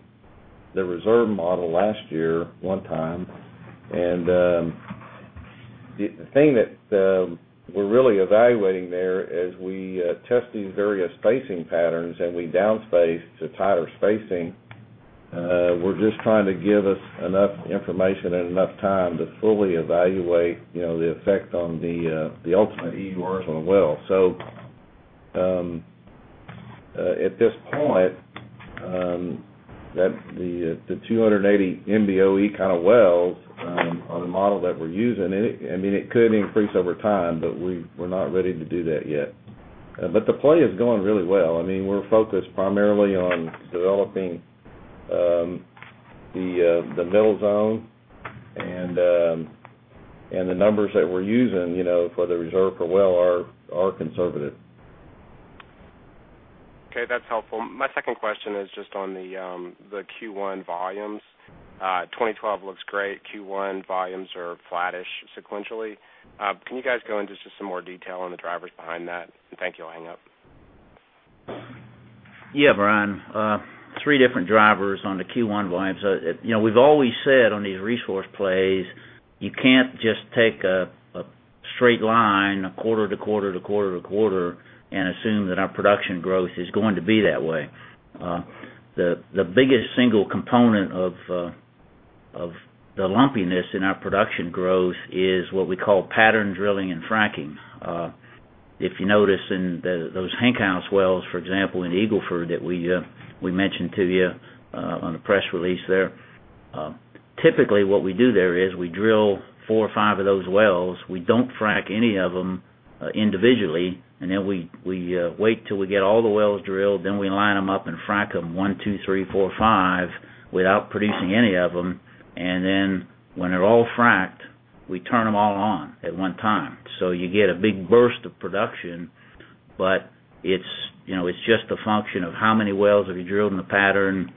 reserve model last year one time, and the thing that we're really evaluating there is we tested various spacing patterns and we downspaced to tighter spacing. We're just trying to give us enough information and enough time to fully evaluate the effect on the ultimate EURs on wells. At this point, the 280 MBOE kind of wells on the model that we're using, it could increase over time, but we're not ready to do that yet. The play is going really well. We're focused primarily on developing the middle zone, and the numbers that we're using for the reserve per well are conservative.
Okay, that's helpful. My second question is just on the Q1 volumes. 2012 looks great. Q1 volumes are flattish sequentially. Can you guys go into just some more detail on the drivers behind that? Thank you. I'll hang up.
Yeah, Brian. Three different drivers on the Q1 volumes. You know, we've always said on these resource plays, you can't just take a straight line, a quarter to quarter to quarter to quarter, and assume that our production growth is going to be that way. The biggest single component of the lumpiness in our production growth is what we call pattern drilling and fracking. If you notice in those Hank House wells, for example, in Eagle Ford that we mentioned to you on the press release there, typically what we do there is we drill four or five of those wells. We don't frack any of them individually, and then we wait till we get all the wells drilled, then we line them up and frack them one, two, three, four, five without producing any of them. When they're all fracked, we turn them all on at one time. You get a big burst of production, but it's just a function of how many wells have you drilled in the pattern,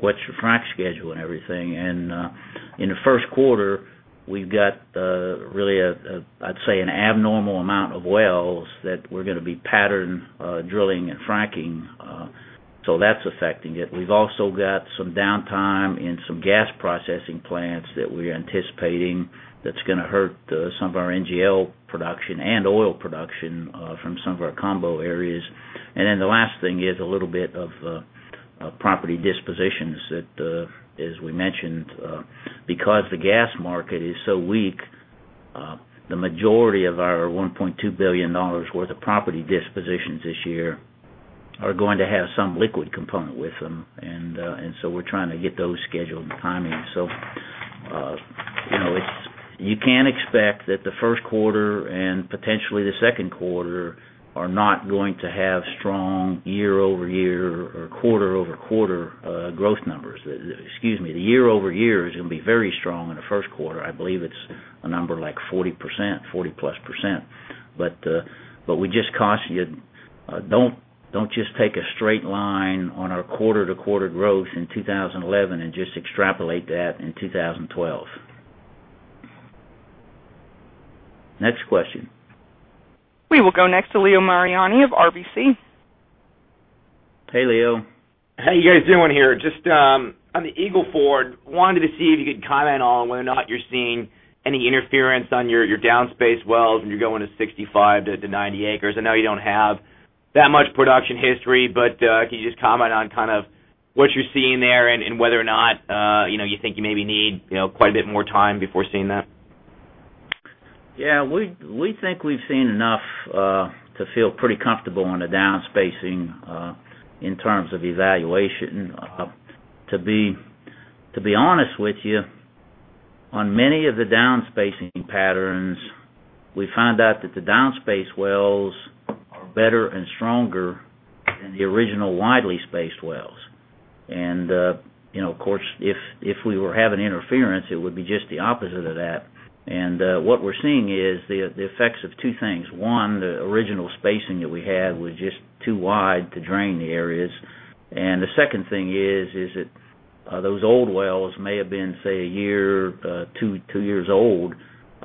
what's your frack schedule, and everything. In the first quarter, we've got really, I'd say, an abnormal amount of wells that we're going to be pattern drilling and fracking. That's affecting it. We've also got some downtime in some gas processing plants that we're anticipating that's going to hurt some of our NGL production and oil production from some of our combo areas. The last thing is a little bit of property dispositions that, as we mentioned, because the gas market is so weak, the majority of our $1.2 billion worth of property dispositions this year are going to have some liquid component with them. We're trying to get those scheduled and timing. You can expect that the first quarter and potentially the second quarter are not going to have strong year-over-year or quarter-over-quarter growth numbers. Excuse me, the year-over-year is going to be very strong in the first quarter. I believe it's a number like 40%, 40%+. We just caution you, don't just take a straight line on our quarter-to-quarter growth in 2011 and just extrapolate that in 2012. Next question.
We will go next to Leo Mariani of RBC.
Hey, Leo.
Hey, how you guys doing here? Just on the Eagle Ford, wanted to see if you could comment on whether or not you're seeing any interference on your downspaced wells when you're going to 65 acres-90 acres. I know you don't have that much production history, but can you just comment on kind of what you're seeing there and whether or not you think you maybe need quite a bit more time before seeing that?
Yeah, we think we've seen enough to feel pretty comfortable on the downspacing in terms of evaluation. To be honest with you, on many of the downspacing patterns, we found out that the downspaced wells are better and stronger than the original widely spaced wells. Of course, if we were having interference, it would be just the opposite of that. What we're seeing is the effects of two things. One, the original spacing that we had was just too wide to drain the areas. The second thing is that those old wells may have been, say, a year, two years old.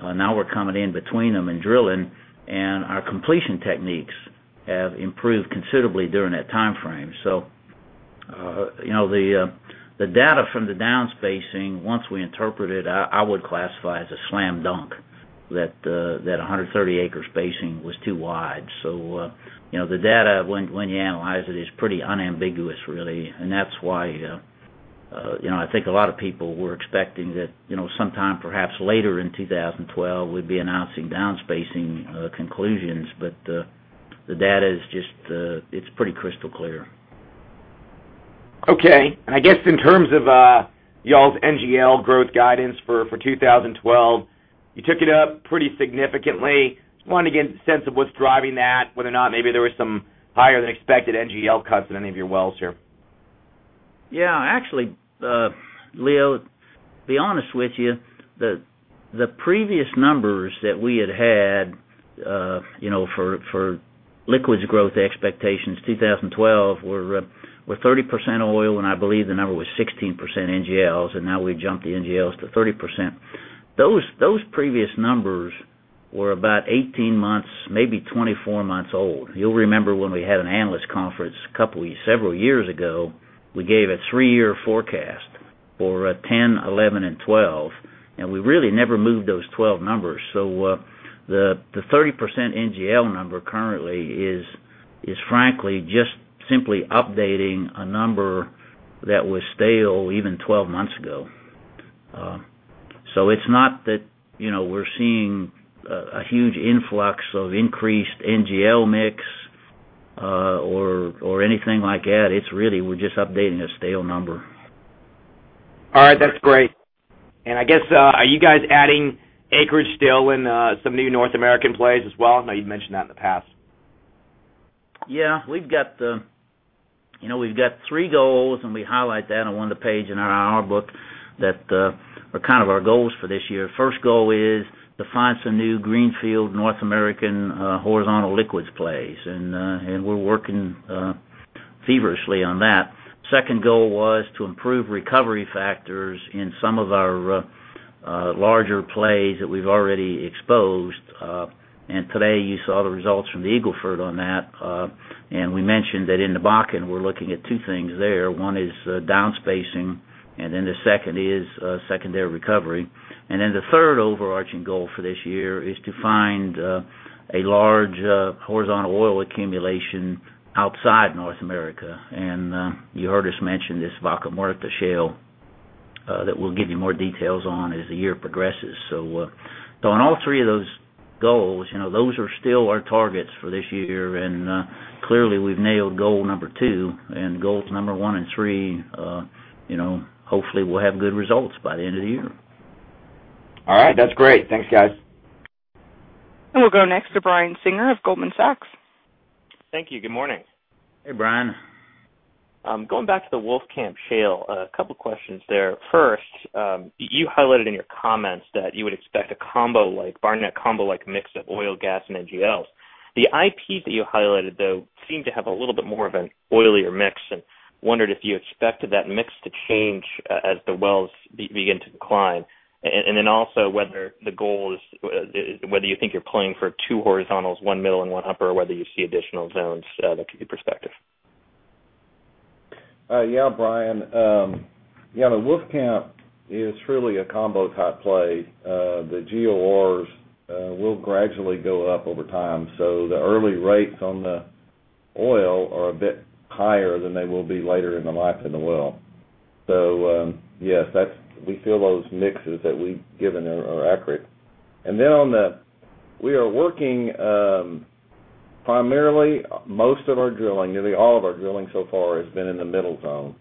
Now we're coming in between them and drilling, and our completion techniques have improved considerably during that timeframe. The data from the downspacing, once we interpret it, I would classify as a slam dunk that that 130-acre spacing was too wide. The data when you analyze it is pretty unambiguous, really. That's why I think a lot of people were expecting that sometime perhaps later in 2012, we'd be announcing downspacing conclusions, but the data is just, it's pretty crystal clear.
Okay. In terms of y'all's NGL growth guidance for 2012, you took it up pretty significantly. I wanted to get a sense of what's driving that, whether or not maybe there were some higher than expected NGL cuts in any of your wells here.
Yeah, actually, Leo, to be honest with you, the previous numbers that we had for liquids growth expectations in 2012 were 30% oil, and I believe the number was 16% NGLs, and now we've jumped the NGLs to 30%. Those previous numbers were about 18 months, maybe 24 months old. You'll remember when we had an analyst conference a couple of several years ago, we gave a three-year forecast for 2010, 2011, and 2012, and we really never moved those 2012 numbers. The 30% NGL number currently is, frankly, just simply updating a number that was stale even 12 months ago. It's not that we're seeing a huge influx of increased NGL mix or anything like that. It's really, we're just updating a stale number.
All right, that's great. I guess, are you guys adding acreage still in some new North American plays as well? I know you mentioned that in the past.
Yeah, we've got three goals, and we highlight that on one of the pages in our hourbook that are kind of our goals for this year. The first goal is to find some new greenfield North American horizontal liquids plays, and we're working feverishly on that. The second goal was to improve recovery factors in some of our larger plays that we've already exposed. Today, you saw the results from the Eagle Ford on that. We mentioned that in the Bakken, we're looking at two things there. One is downspacing, and the second is secondary recovery. The third overarching goal for this year is to find a large horizontal oil accumulation outside North America. You heard us mention this Vaca Muerta Shale that we'll give you more details on as the year progresses. On all three of those goals, those are still our targets for this year, and clearly, we've nailed goal number two, and goals number one and three, hopefully, we'll have good results by the end of the year.
All right, that's great. Thanks, guys.
We will go next to Brian Singer of Goldman Sachs.
Thank you. Good morning.
Hey, Brian.
Going back to the Wolfcamp Shale, a couple of questions there. First, you highlighted in your comments that you would expect a Barnett Combo-like mix of oil, gas, and NGLs. The IP that you highlighted, though, seemed to have a little bit more of an oilier mix, and I wondered if you expected that mix to change as the wells begin to decline. Also, whether the goal is, whether you think you're playing for two horizontals, one middle and one upper, or whether you see additional zones that could be prospective.
Yeah, Brian. The Wolfcamp is really a combo-type play. The GORs will gradually go up over time. The early rates on the oil are a bit higher than they will be later in the life in the well. Yes, we feel those mixes that we've given are accurate. We are working primarily, most of our drilling, nearly all of our drilling so far has been in the middle zone.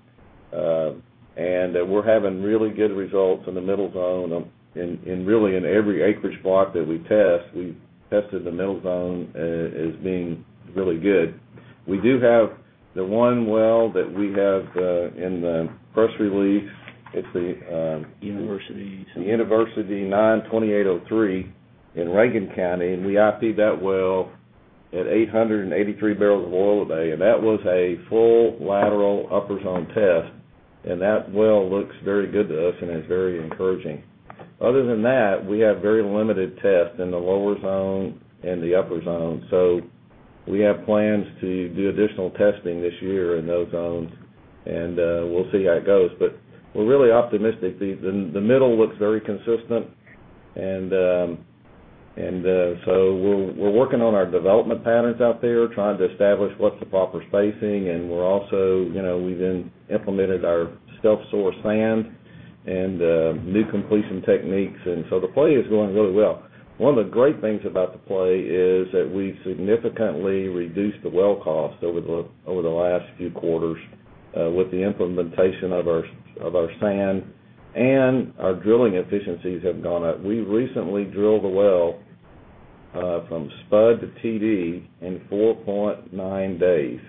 We're having really good results in the middle zone and really in every acreage plot that we test. We've tested the middle zone as being really good. We do have the one well that we have in the press release. It's the.
University.
The University 92803 in Rankin County, and we IP'd that well at 883 bbl of oil a day. That was a full lateral upper zone test, and that well looks very good to us and is very encouraging. Other than that, we have very limited tests in the lower zone and the upper zone. We have plans to do additional testing this year in those zones, and we'll see how it goes. We're really optimistic. The middle looks very consistent, and we're working on our development patterns out there, trying to establish what's the proper spacing. We've implemented our self-sourced sand and new completion techniques, and the play is going really well. One of the great things about the play is that we've significantly reduced the well cost over the last few quarters with the implementation of our sand, and our drilling efficiencies have gone up. We recently drilled a well from spud to TD in 4.9 days.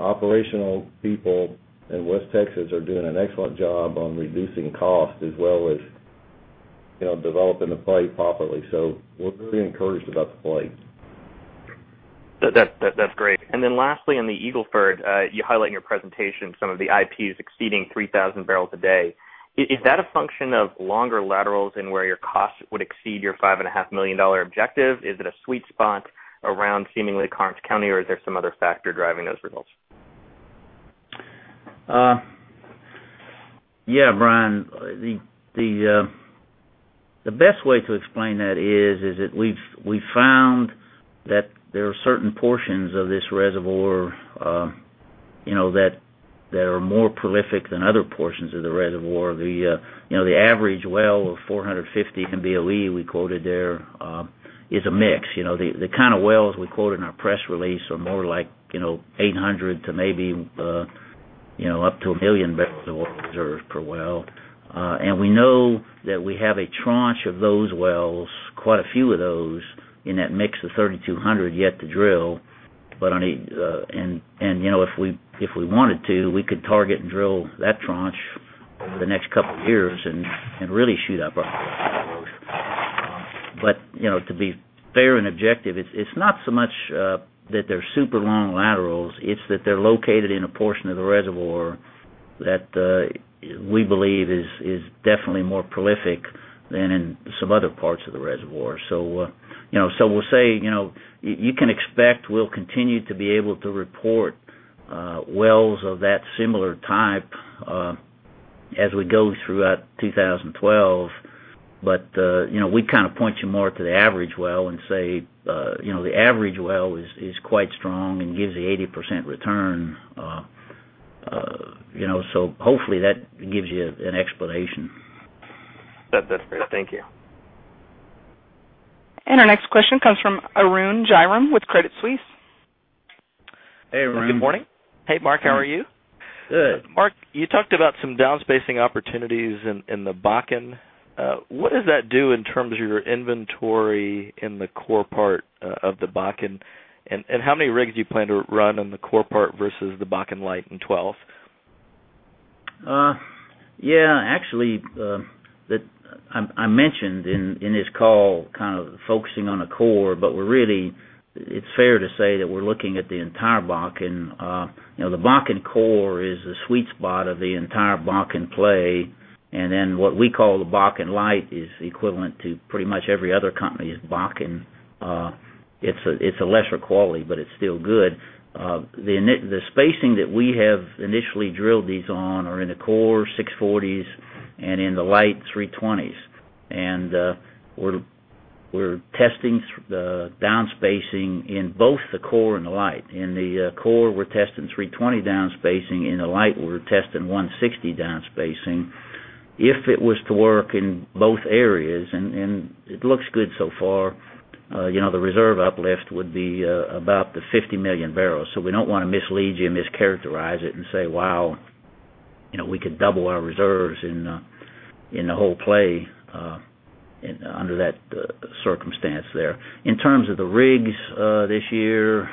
Operational people in West Texas are doing an excellent job on reducing cost as well as developing the play properly. We're really encouraged about the play.
That's great. Lastly, in the Eagle Ford, you highlight in your presentation some of the IPs exceeding 3,000 bpd. Is that a function of longer laterals and where your costs would exceed your $5.5 million objective? Is it a sweet spot around seemingly Karnes County, or is there some other factor driving those results?
Yeah, Brian, the best way to explain that is that we've found that there are certain portions of this reservoir that are more prolific than other portions of the reservoir. The average well of 450 MBOE we quoted there is a mix. The kind of wells we quote in our press release are more like 800,000 bbl to maybe up to 1 MMbbl of oil reserves per well. We know that we have a tranche of those wells, quite a few of those in that mix of 3,200 yet to drill. If we wanted to, we could target and drill that tranche over the next couple of years and really shoot up. To be fair and objective, it's not so much that they're super long laterals. It's that they're located in a portion of the reservoir that we believe is definitely more prolific than in some other parts of the reservoir. You can expect we'll continue to be able to report wells of that similar type as we go throughout 2012. We kind of point you more to the average well and say the average well is quite strong and gives you 80% return. Hopefully, that gives you an explanation.
That's great. Thank you.
Our next question comes from Arun Jayaram with Credit Suisse.
Hey, Arun.
Good morning. Hey, Mark. How are you?
Good.
Mark, you talked about some downspacing opportunities in the Bakken. What does that do in terms of your inventory in the core part of the Bakken? How many rigs do you plan to run in the core part versus the Bakken light and 12?
Yeah, actually, I mentioned in this call kind of focusing on the core, but really, it's fair to say that we're looking at the entire Bakken. You know, the Bakken core is the sweet spot of the entire Bakken play. Then what we call the Bakken light is equivalent to pretty much every other company's Bakken. It's a lesser quality, but it's still good. The spacing that we have initially drilled these on are in the core 640 acres and in the light 320 acres. We're testing the downspacing in both the core and the light. In the core, we're testing 320 acres downspacing. In the light, we're testing 160 acres downspacing. If it was to work in both areas, and it looks good so far, the reserve uplift would be about the 50 MMbbl. We don't want to mislead you and mischaracterize it and say, "Wow, you know, we could double our reserves in the whole play under that circumstance there." In terms of the rigs this year,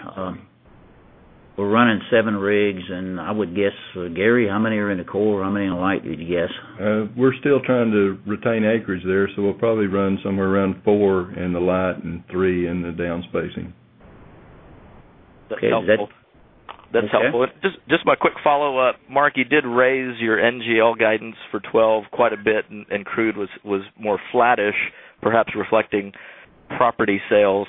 we're running seven rigs, and I would guess, Gary, how many are in the core? How many in the light would you guess?
We're still trying to retain acreage there, so we'll probably run somewhere around four in the light and three in the downspacing.
Okay, that's helpful. Just my quick follow-up. Mark, you did raise your NGL guidance for 2024 quite a bit, and crude was more flattish, perhaps reflecting property sales.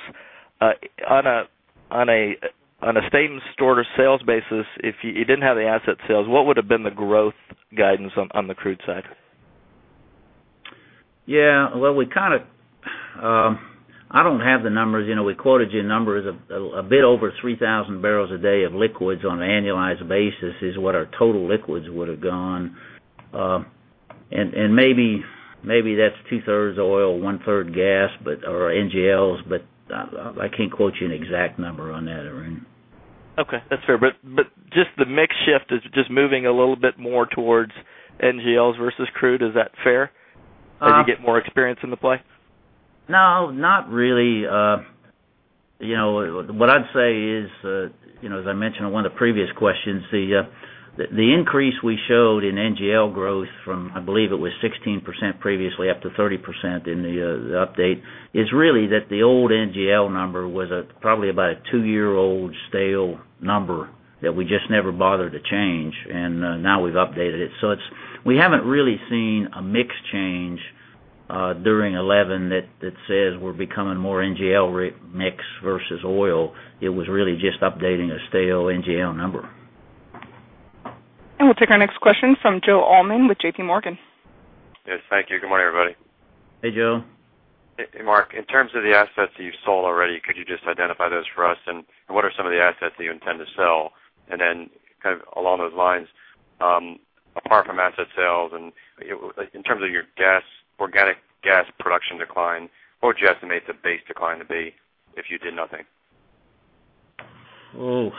On a statement stored sales basis, if you didn't have the asset sales, what would have been the growth guidance on the crude side?
I don't have the numbers. You know, we quoted you in numbers a bit over 3,000 bbl a day of liquids on an annualized basis is what our total liquids would have gone. Maybe that's 2/3 oil, 1/3 gas, but our NGLs, but I can't quote you an exact number on that, Arun.
Okay, that's fair. The mix shift is just moving a little bit more towards NGLs versus crude. Is that fair? Did you get more experience in the play?
No, not really. What I'd say is, as I mentioned on one of the previous questions, the increase we showed in NGL growth from, I believe it was 16% previously up to 30% in the update is really that the old NGL number was probably about a two-year-old stale number that we just never bothered to change, and now we've updated it. We haven't really seen a mix change during 2011 that says we're becoming more NGL mix versus oil. It was really just updating a stale NGL number.
We will take our next question from Joe Allman with JPMorgan.
Yes, thank you. Good morning, everybody.
Hey, Joe.
Hey, Mark. In terms of the assets that you've sold already, could you just identify those for us? What are some of the assets that you intend to sell? Apart from asset sales and in terms of your gas, organic gas production decline, what would you estimate the base decline to be if you did nothing?
Oh,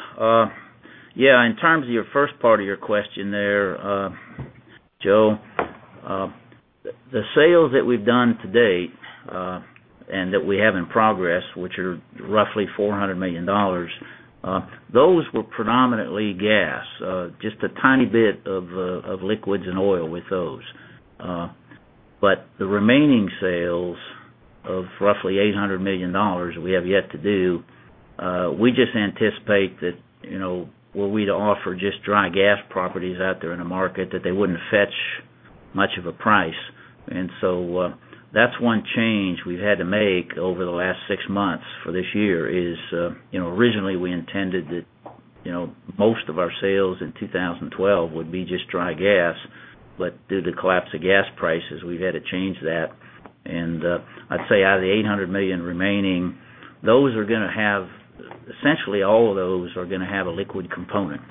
yeah, in terms of your first part of your question there, Joe, the sales that we've done to date and that we have in progress, which are roughly $400 million, those were predominantly gas, just a tiny bit of liquids and oil with those. The remaining sales of roughly $800 million that we have yet to do, we just anticipate that, you know, were we to offer just dry gas properties out there in the market, that they wouldn't fetch much of a price. That's one change we've had to make over the last six months for this year. You know, originally we intended that, you know, most of our sales in 2012 would be just dry gas, but due to the collapse of gas prices, we've had to change that. I'd say out of the $800 million remaining, those are going to have, essentially all of those are going to have a liquid component.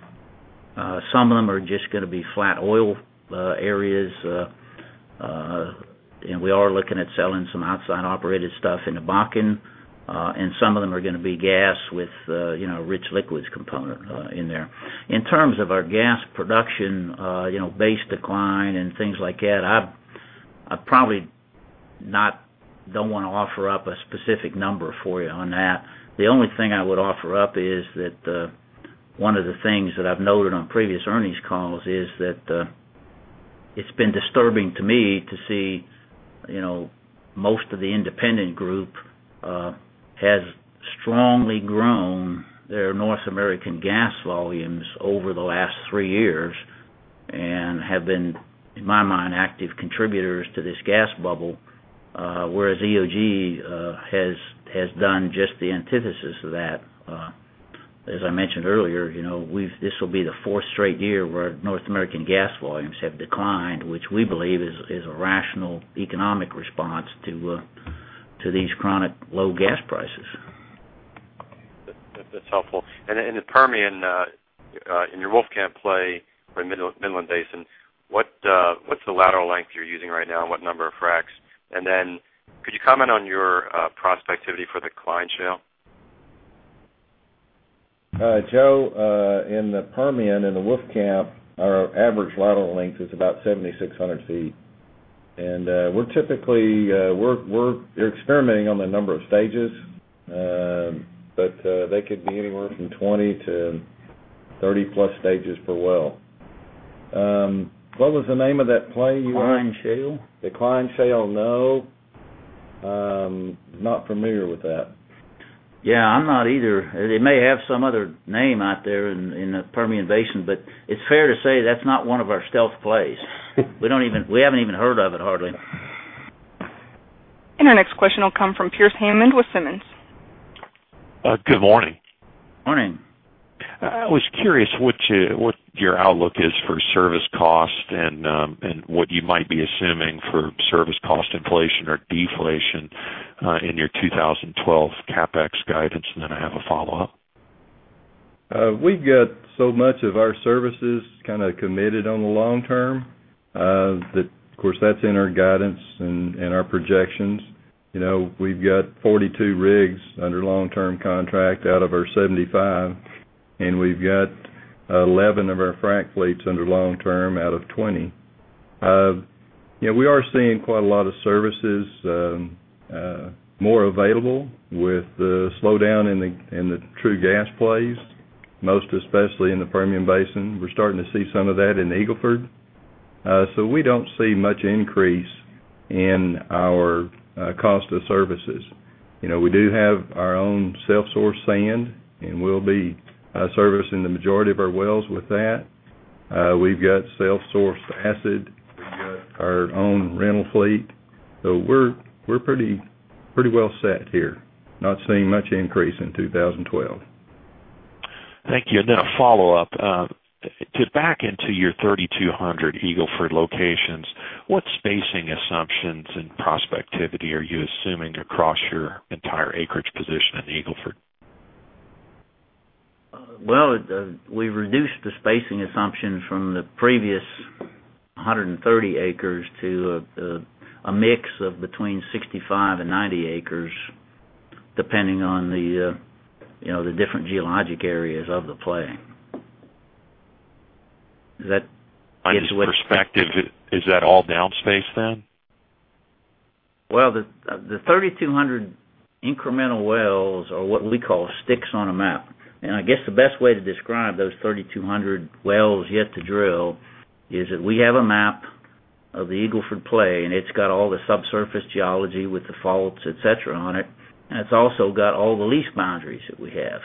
Some of them are just going to be flat oil areas, and we are looking at selling some outside operated stuff in the Bakken, and some of them are going to be gas with a rich liquids component in there. In terms of our gas production, you know, base decline and things like that, I probably don't want to offer up a specific number for you on that. The only thing I would offer up is that one of the things that I've noted on previous earnings calls is that it's been disturbing to me to see, you know, most of the independent group has strongly grown their North American gas volumes over the last three years and have been, in my mind, active contributors to this gas bubble, whereas EOG has done just the antithesis of that. As I mentioned earlier, this will be the fourth straight year where North American gas volumes have declined, which we believe is a rational economic response to these chronic low gas prices.
That's helpful. In the Permian, in your Wolfcamp play for Midland Basin, what's the lateral length you're using right now and what number of fracks? Could you comment on your prospectivity for the Cline Shale?
Joe, in the Permian and the Wolfcamp, our average lateral length is about 7,600 ft. We're typically experimenting on the number of stages, but they could be anywhere from 20 to 30+ stages per well. What was the name of that play you were?
Cline Shale?
The Cline Shale? No, not familiar with that.
I'm not either. It may have some other name out there in the Permian Basin, but it's fair to say that's not one of our stealth plays. We haven't even heard of it hardly.
Our next question will come from Pearce Hammond with Simmons.
Good morning.
Morning.
I was curious what your outlook is for service cost and what you might be assuming for service cost inflation or deflation in your 2012 CapEx guidance, and then I have a follow-up.
We've got so much of our services kind of committed on the long term that, of course, that's in our guidance and our projections. You know. We've got 42 rigs under long-term contract out of our 75, and we've got 11 of our frack fleets under long-term out of 20. We are seeing quite a lot of services more available with the slowdown in the true gas plays, most especially in the Permian Basin. We're starting to see some of that in Eagle Ford, so we don't see much increase in our cost of services. We do have our own self-sourced sand, and we'll be servicing the majority of our wells with that. We've got self-sourced acid. We've got our own rental fleet. We're pretty well set here, not seeing much increase in 2012.
Thank you. To back into your 3,200 Eagle Ford locations, what spacing assumptions and prospectivity are you assuming across your entire acreage position in Eagle Ford?
We've reduced the spacing assumption from the previous 130 acres to a mix of between 65 acres and 90 acres, depending on the, you know, the different geologic areas of the play.
Is that, in perspective, is that all downspace then?
The 3,200 incremental wells are what we call sticks on a map. I guess the best way to describe those 3,200 wells yet to drill is that we have a map of the Eagle Ford play, and it's got all the subsurface geology with the faults, etc., on it. It's also got all the lease boundaries that we have.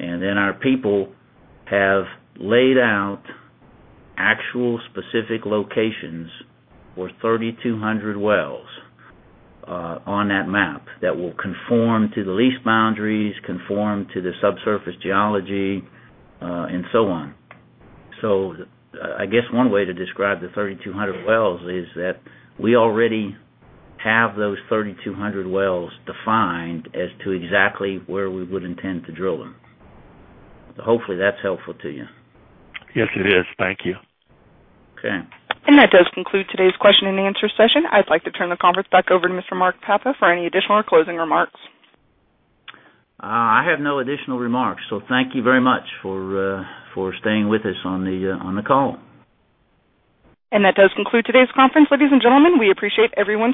Our people have laid out actual specific locations for 3,200 wells on that map that will conform to the lease boundaries, conform to the subsurface geology, and so on. I guess one way to describe the 3,200 wells is that we already have those 3,200 wells defined as to exactly where we would intend to drill them. Hopefully, that's helpful to you.
Yes, it is. Thank you.
Okay.
That does conclude today's question and answer session. I'd like to turn the conference back over to Mr. Mark Papa for any additional or closing remarks.
I have no additional remarks. Thank you very much for staying with us on the call.
That does conclude today's conference, ladies and gentlemen. We appreciate everyone.